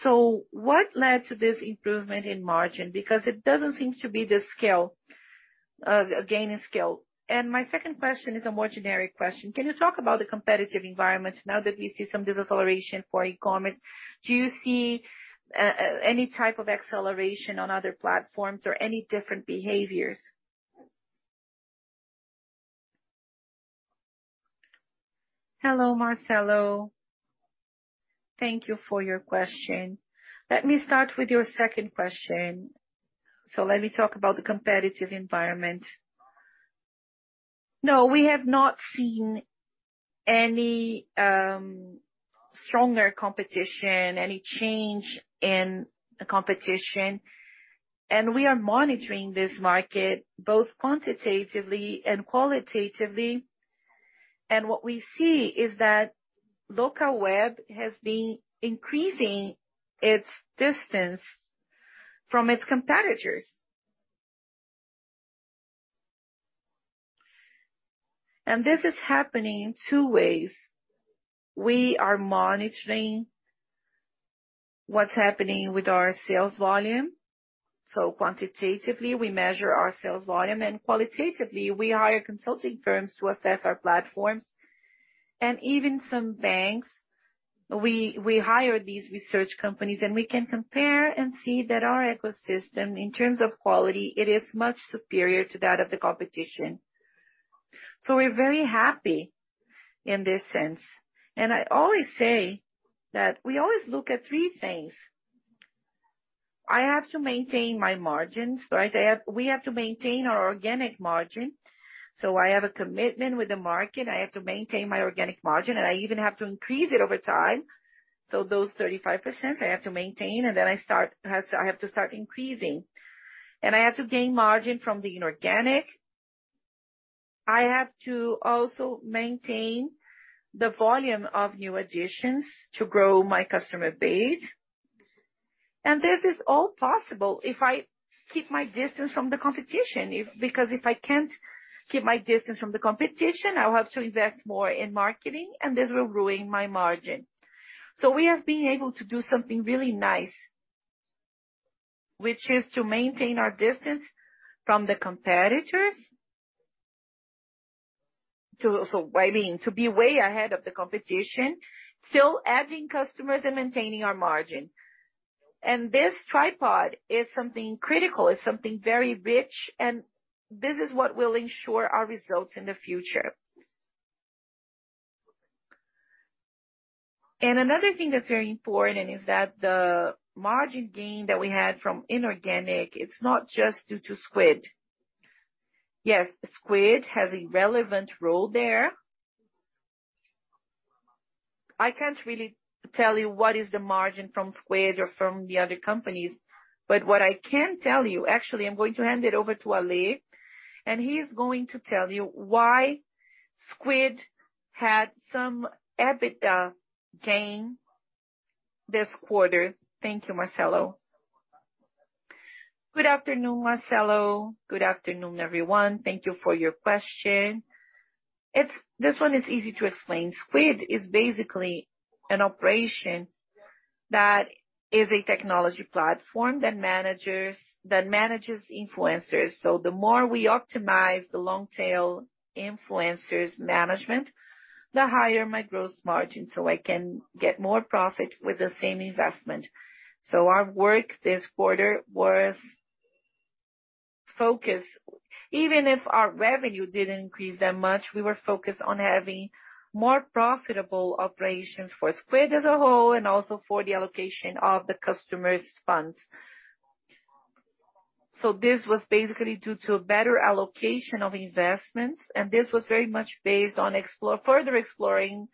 So what led to this improvement in margin? Because it doesn't seem to be the scale, gaining scale. My second question is a more generic question. Can you talk about the competitive environment now that we see some deceleration for e-commerce? Do you see any type of acceleration on other platforms or any different behaviors? Hello, Marcelo. Thank you for your question. Let me start with your second question. Let me talk about the competitive environment. No, we have not seen any stronger competition, any change in the competition. We are monitoring this market both quantitatively and qualitatively. What we see is that Locaweb has been increasing its distance from its competitors. This is happening two ways. We are monitoring what's happening with our sales volume. Quantitatively, we measure our sales volume, and qualitatively, we hire consulting firms to assess our platforms. Even some banks, we hire these research companies, and we can compare and see that our ecosystem, in terms of quality, it is much superior to that of the competition. We're very happy in this sense. I always say that we always look at three things. I have to maintain my margins, right? We have to maintain our organic margin. I have a commitment with the market. I have to maintain my organic margin, and I even have to increase it over time. Those 35% I have to maintain, and then I have to start increasing. I have to gain margin from the inorganic. I have to also maintain the volume of new additions to grow my customer base. This is all possible if I keep my distance from the competition. Because if I can't keep my distance from the competition, I'll have to invest more in marketing, and this will ruin my margin. We have been able to do something really nice, which is to maintain our distance from the competitors. I mean, to be way ahead of the competition, still adding customers and maintaining our margin. This tripod is something critical, is something very rich, and this is what will ensure our results in the future. Another thing that's very important is that the margin gain that we had from inorganic, it's not just due to Squid. Yes, Squid has a relevant role there. I can't really tell you what is the margin from Squid or from the other companies. What I can tell you. Actually, I'm going to hand it over to Ali, and he's going to tell you why Squid had some EBITDA gain this quarter. Thank you, Marcelo. Good afternoon, Marcelo. Good afternoon, everyone. Thank you for your question. This one is easy to explain. Squid is basically an operation that is a technology platform that manages influencers. The more we optimize the long tail influencers management, the higher my gross margin, so I can get more profit with the same investment. Our work this quarter was focused. Even if our revenue didn't increase that much, we were focused on having more profitable operations for Squid as a whole and also for the allocation of the customers' funds. This was basically due to a better allocation of investments, and this was very much based on further exploring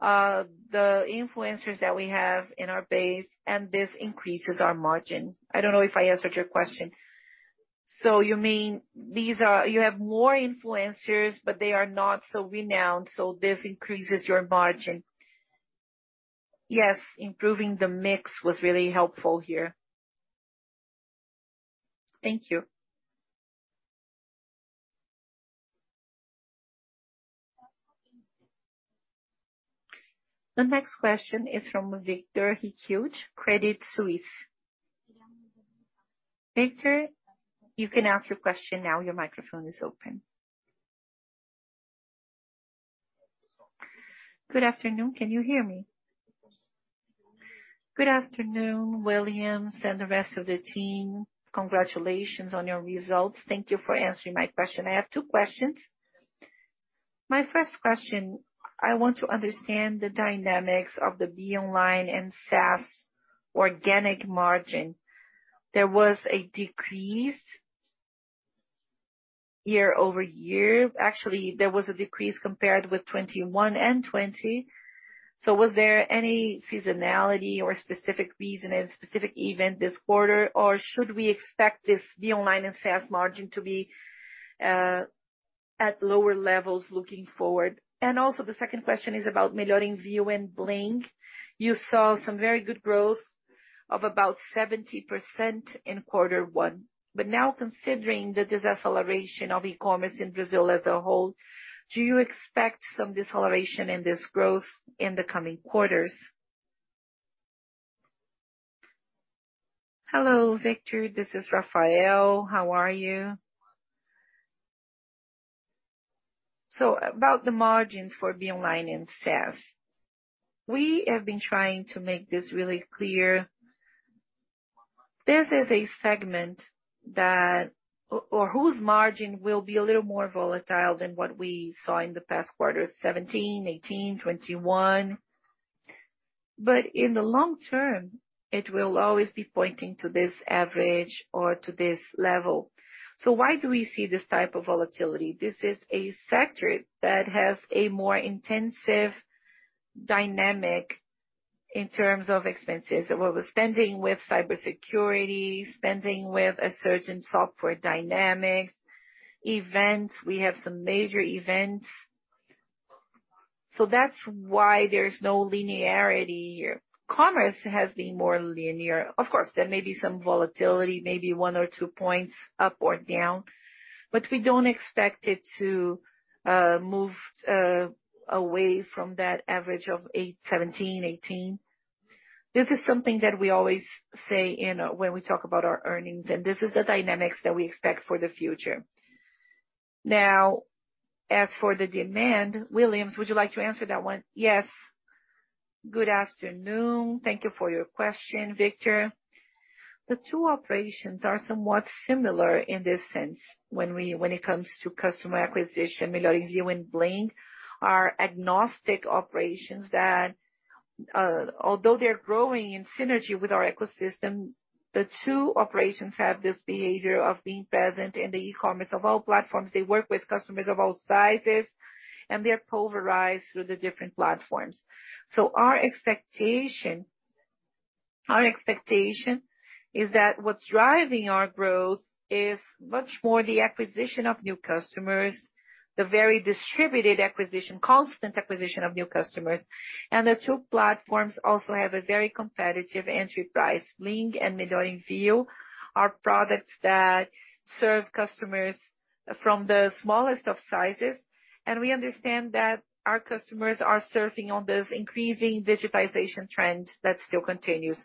the influencers that we have in our base, and this increases our margin. I don't know if I answered your question. You mean you have more influencers, but they are not so renowned, so this increases your margin? Yes, improving the mix was really helpful here. Thank you. The next question is from Victor Ricciuti, Credit Suisse. Victor, you can ask your question now. Your microphone is open. Good afternoon. Can you hear me? Good afternoon, Williams and the rest of the team. Congratulations on your results. Thank you for answering my question. I have two questions. My first question, I want to understand the dynamics of the Be Online and SaaS organic margin. There was a decrease year-over-year. Actually, there was a decrease compared with 2021 and 2020. Was there any seasonality or specific reason, a specific event this quarter? Or should we expect this Be Online and SaaS margin to be at lower levels looking forward? The second question is about Melhor Envio and Bling. You saw some very good growth of about 70% in quarter one. Now considering the deceleration of e-commerce in Brazil as a whole, do you expect some deceleration in this growth in the coming quarters? Hello, Victor. This is Rafael. How are you? About the margins for Be Online and SaaS. We have been trying to make this really clear. This is a segment that or whose margin will be a little more volatile than what we saw in the past quarters, 17%, 18%, 21%. In the long term, it will always be pointing to this average or to this level. Why do we see this type of volatility? This is a sector that has a more intensive dynamic in terms of expenses. We're spending with cybersecurity, spending with a certain software dynamics, events. We have some major events. That's why there's no linearity. Commerce has been more linear. Of course, there may be some volatility, maybe one or two points up or down, but we don't expect it to move away from that average of 17%-18%. This is something that we always say when we talk about our earnings, and this is the dynamics that we expect for the future. Now, as for the demand, Williams, would you like to answer that one? Yes. Good afternoon. Thank you for your question, Victor. The two operations are somewhat similar in this sense when it comes to customer acquisition. Melhor Envio and Bling are agnostic operations that, although they're growing in synergy with our ecosystem, the two operations have this behavior of being present in the e-commerce of all platforms. They work with customers of all sizes, and they're pulverized through the different platforms. Our expectation is that what's driving our growth is much more the acquisition of new customers, the very distributed acquisition, constant acquisition of new customers. The two platforms also have a very competitive entry price. Bling and Melhor Envio are products that serve customers from the smallest of sizes. We understand that our customers are surfing on this increasing digitization trend that still continues.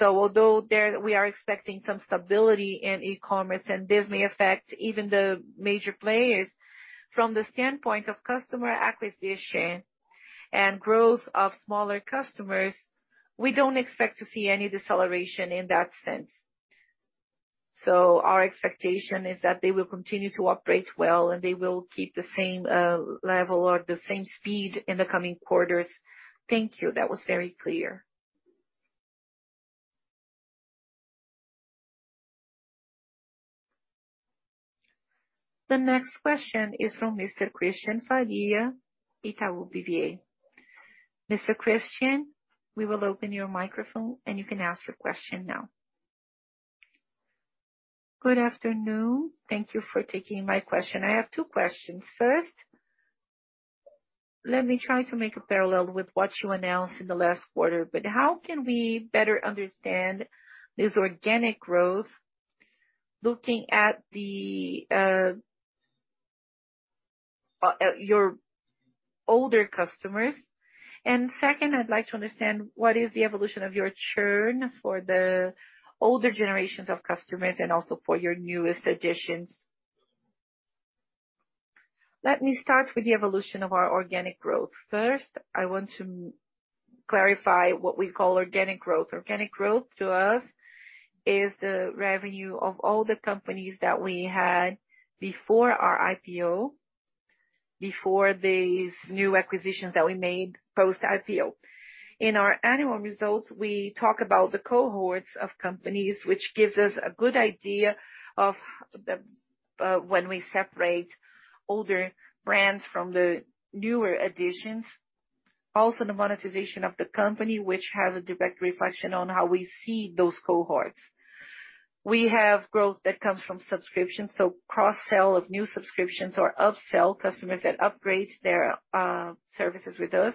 Although we are expecting some stability in e-commerce, and this may affect even the major players from the standpoint of customer acquisition and growth of smaller customers, we don't expect to see any deceleration in that sense. Our expectation is that they will continue to operate well and they will keep the same level or the same speed in the coming quarters. Thank you. That was very clear. The next question is from Mr. Cristian Faria, Itaú BBA. Mr. Cristian, we will open your microphone and you can ask your question now. Good afternoon. Thank you for taking my question. I have two questions. First, let me try to make a parallel with what you announced in the last quarter, but how can we better understand this organic growth looking at your older customers? Second, I'd like to understand what is the evolution of your churn for the older generations of customers and also for your newest additions. Let me start with the evolution of our organic growth. First, I want to clarify what we call organic growth. Organic growth to us is the revenue of all the companies that we had before our IPO, before these new acquisitions that we made post-IPO. In our annual results, we talk about the cohorts of companies, which gives us a good idea of when we separate older brands from the newer additions. The monetization of the company, which has a direct reflection on how we see those cohorts. We have growth that comes from subscriptions, so cross-sell of new subscriptions or up-sell customers that upgrade their services with us.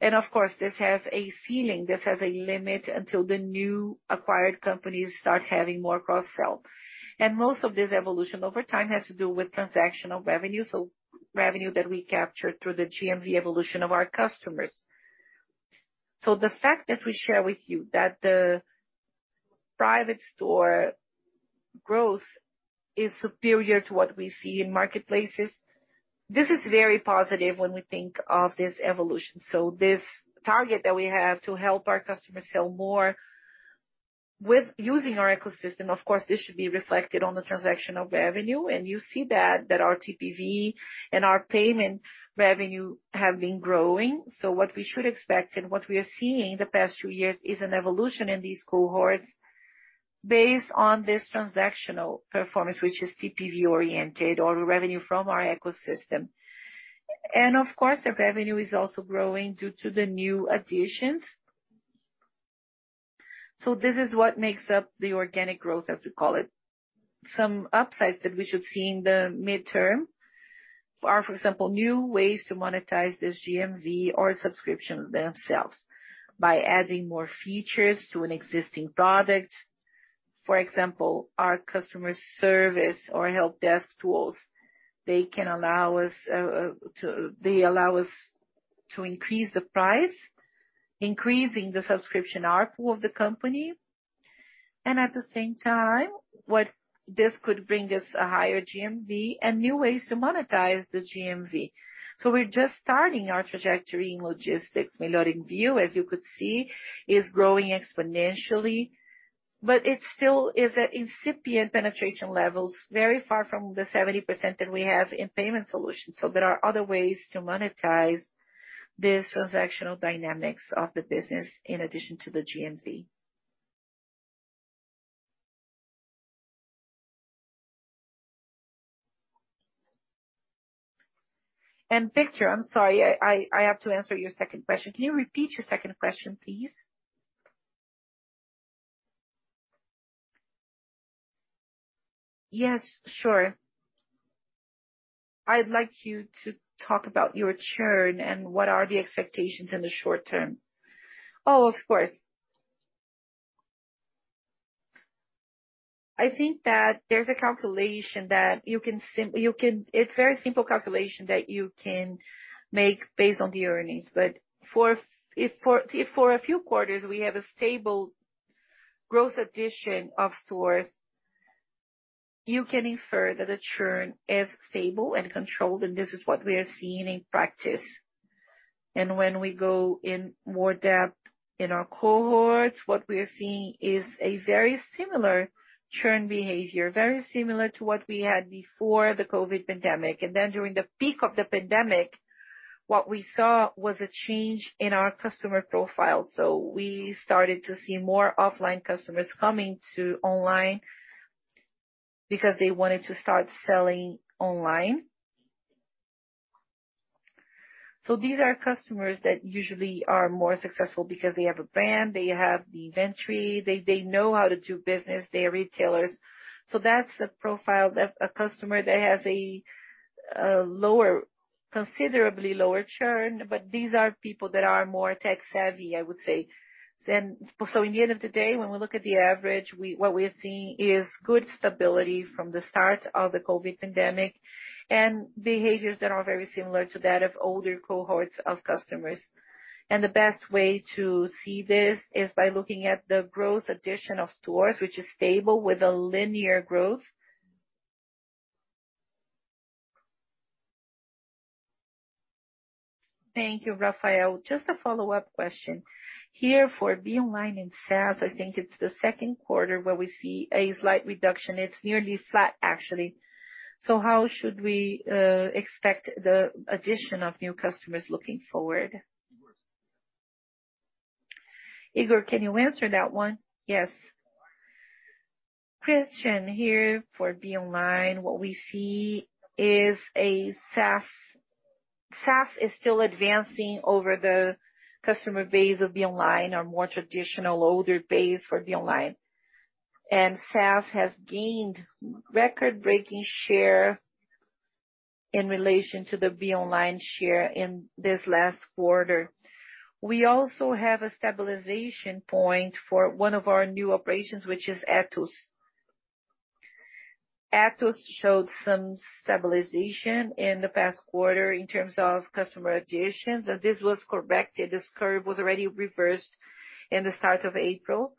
Of course, this has a ceiling, this has a limit until the new acquired companies start having more cross-sell. Most of this evolution over time has to do with transactional revenue, so revenue that we capture through the GMV evolution of our customers. The fact that we share with you that the private store growth is superior to what we see in marketplaces, this is very positive when we think of this evolution. This target that we have to help our customers sell more with using our ecosystem, of course, this should be reflected on the transactional revenue. You see that our TPV and our payment revenue have been growing. What we should expect and what we are seeing the past two years is an evolution in these cohorts based on this transactional performance, which is TPV-oriented or revenue from our ecosystem. Of course, the revenue is also growing due to the new additions. This is what makes up the organic growth, as we call it. Some upsides that we should see in the midterm are, for example, new ways to monetize this GMV or subscriptions themselves by adding more features to an existing product. For example, our customer service or helpdesk tools, they allow us to increase the price, increasing the subscription ARPU of the company. At the same time, what this could bring us a higher GMV and new ways to monetize the GMV. We're just starting our trajectory in logistics. Loading View, as you could see, is growing exponentially, but it still is at incipient penetration levels, very far from the 70% that we have in payment solutions. There are other ways to monetize this transactional dynamics of the business in addition to the GMV. Victor, I'm sorry, I have to answer your second question. Can you repeat your second question, please? Yes, sure. I'd like you to talk about your churn and what are the expectations in the short term. Oh, of course. I think that there's a very simple calculation that you can make based on the earnings. If for a few quarters we have a stable gross addition of stores, you can infer that the churn is stable and controlled, and this is what we are seeing in practice. When we go in more depth in our cohorts, what we are seeing is a very similar churn behavior, very similar to what we had before the COVID pandemic. During the peak of the pandemic, what we saw was a change in our customer profile. We started to see more offline customers coming to online because they wanted to start selling online. These are customers that usually are more successful because they have a brand, they have the inventory, they know how to do business, they are retailers. That's the profile of a customer that has a lower, considerably lower churn. These are people that are more tech-savvy, I would say. In the end of the day, when we look at the average, what we're seeing is good stability from the start of the COVID pandemic, and behaviors that are very similar to that of older cohorts of customers. The best way to see this is by looking at the growth addition of stores, which is stable with a linear growth. Thank you, Rafael. Just a follow-up question. Here for Be Online in SaaS, I think it's the second quarter where we see a slight reduction. It's nearly flat, actually. How should we expect the addition of new customers looking forward? Higor, can you answer that one? Yes. Cristian, here for Be Online, what we see is a SaaS is still advancing over the customer base of Be Online or more traditional older base for Be Online. SaaS has gained record-breaking share in relation to the Be Online share in this last quarter. We also have a stabilization point for one of our new operations, which is Etus. Etus showed some stabilization in the past quarter in terms of customer additions, and this was corrected. This curve was already reversed in the start of April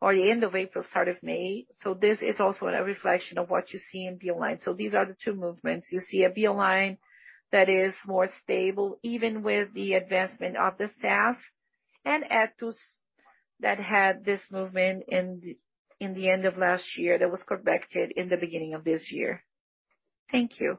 or the end of April, start of May. This is also a reflection of what you see in Be Online. These are the two movements. You see a Be Online that is more stable, even with the advancement of the SaaS and Etus that had this movement in the end of last year that was corrected in the beginning of this year. Thank you.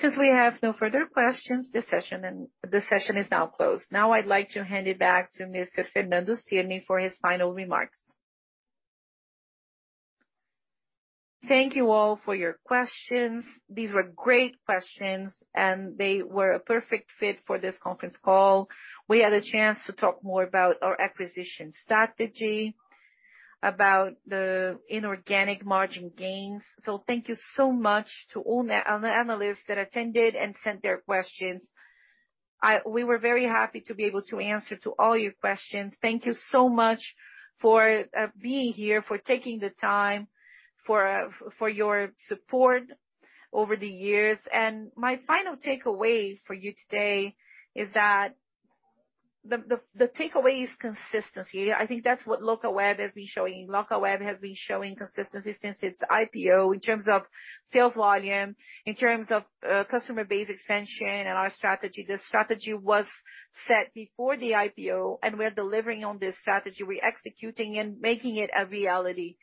Since we have no further questions, the session is now closed. Now I'd like to hand it back to Mr. Fernando Cirne for his final remarks. Thank you all for your questions. These were great questions, and they were a perfect fit for this conference call. We had a chance to talk more about our acquisition strategy, about the inorganic margin gains. Thank you so much to all analysts that attended and sent their questions. We were very happy to be able to answer to all your questions. Thank you so much for being here, for taking the time, for your support over the years. My final takeaway for you today is that the takeaway is consistency. I think that's what Locaweb has been showing. Locaweb has been showing consistency since its IPO in terms of sales volume, in terms of customer base expansion and our strategy. The strategy was set before the IPO, and we're delivering on this strategy. We're executing and making it a reality.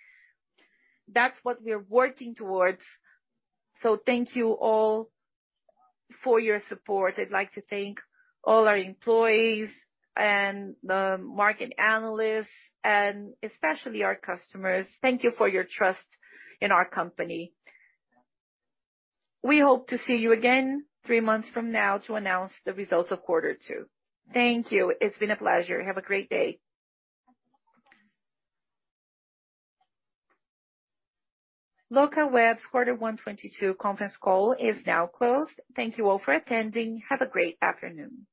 That's what we're working towards. Thank you all for your support. I'd like to thank all our employees and the market analysts and especially our customers. Thank you for your trust in our company. We hope to see you again three months from now to announce the results of quarter two. Thank you. It's been a pleasure. Have a great day. Locaweb's quarter one 2022 conference call is now closed. Thank you all for attending. Have a great afternoon.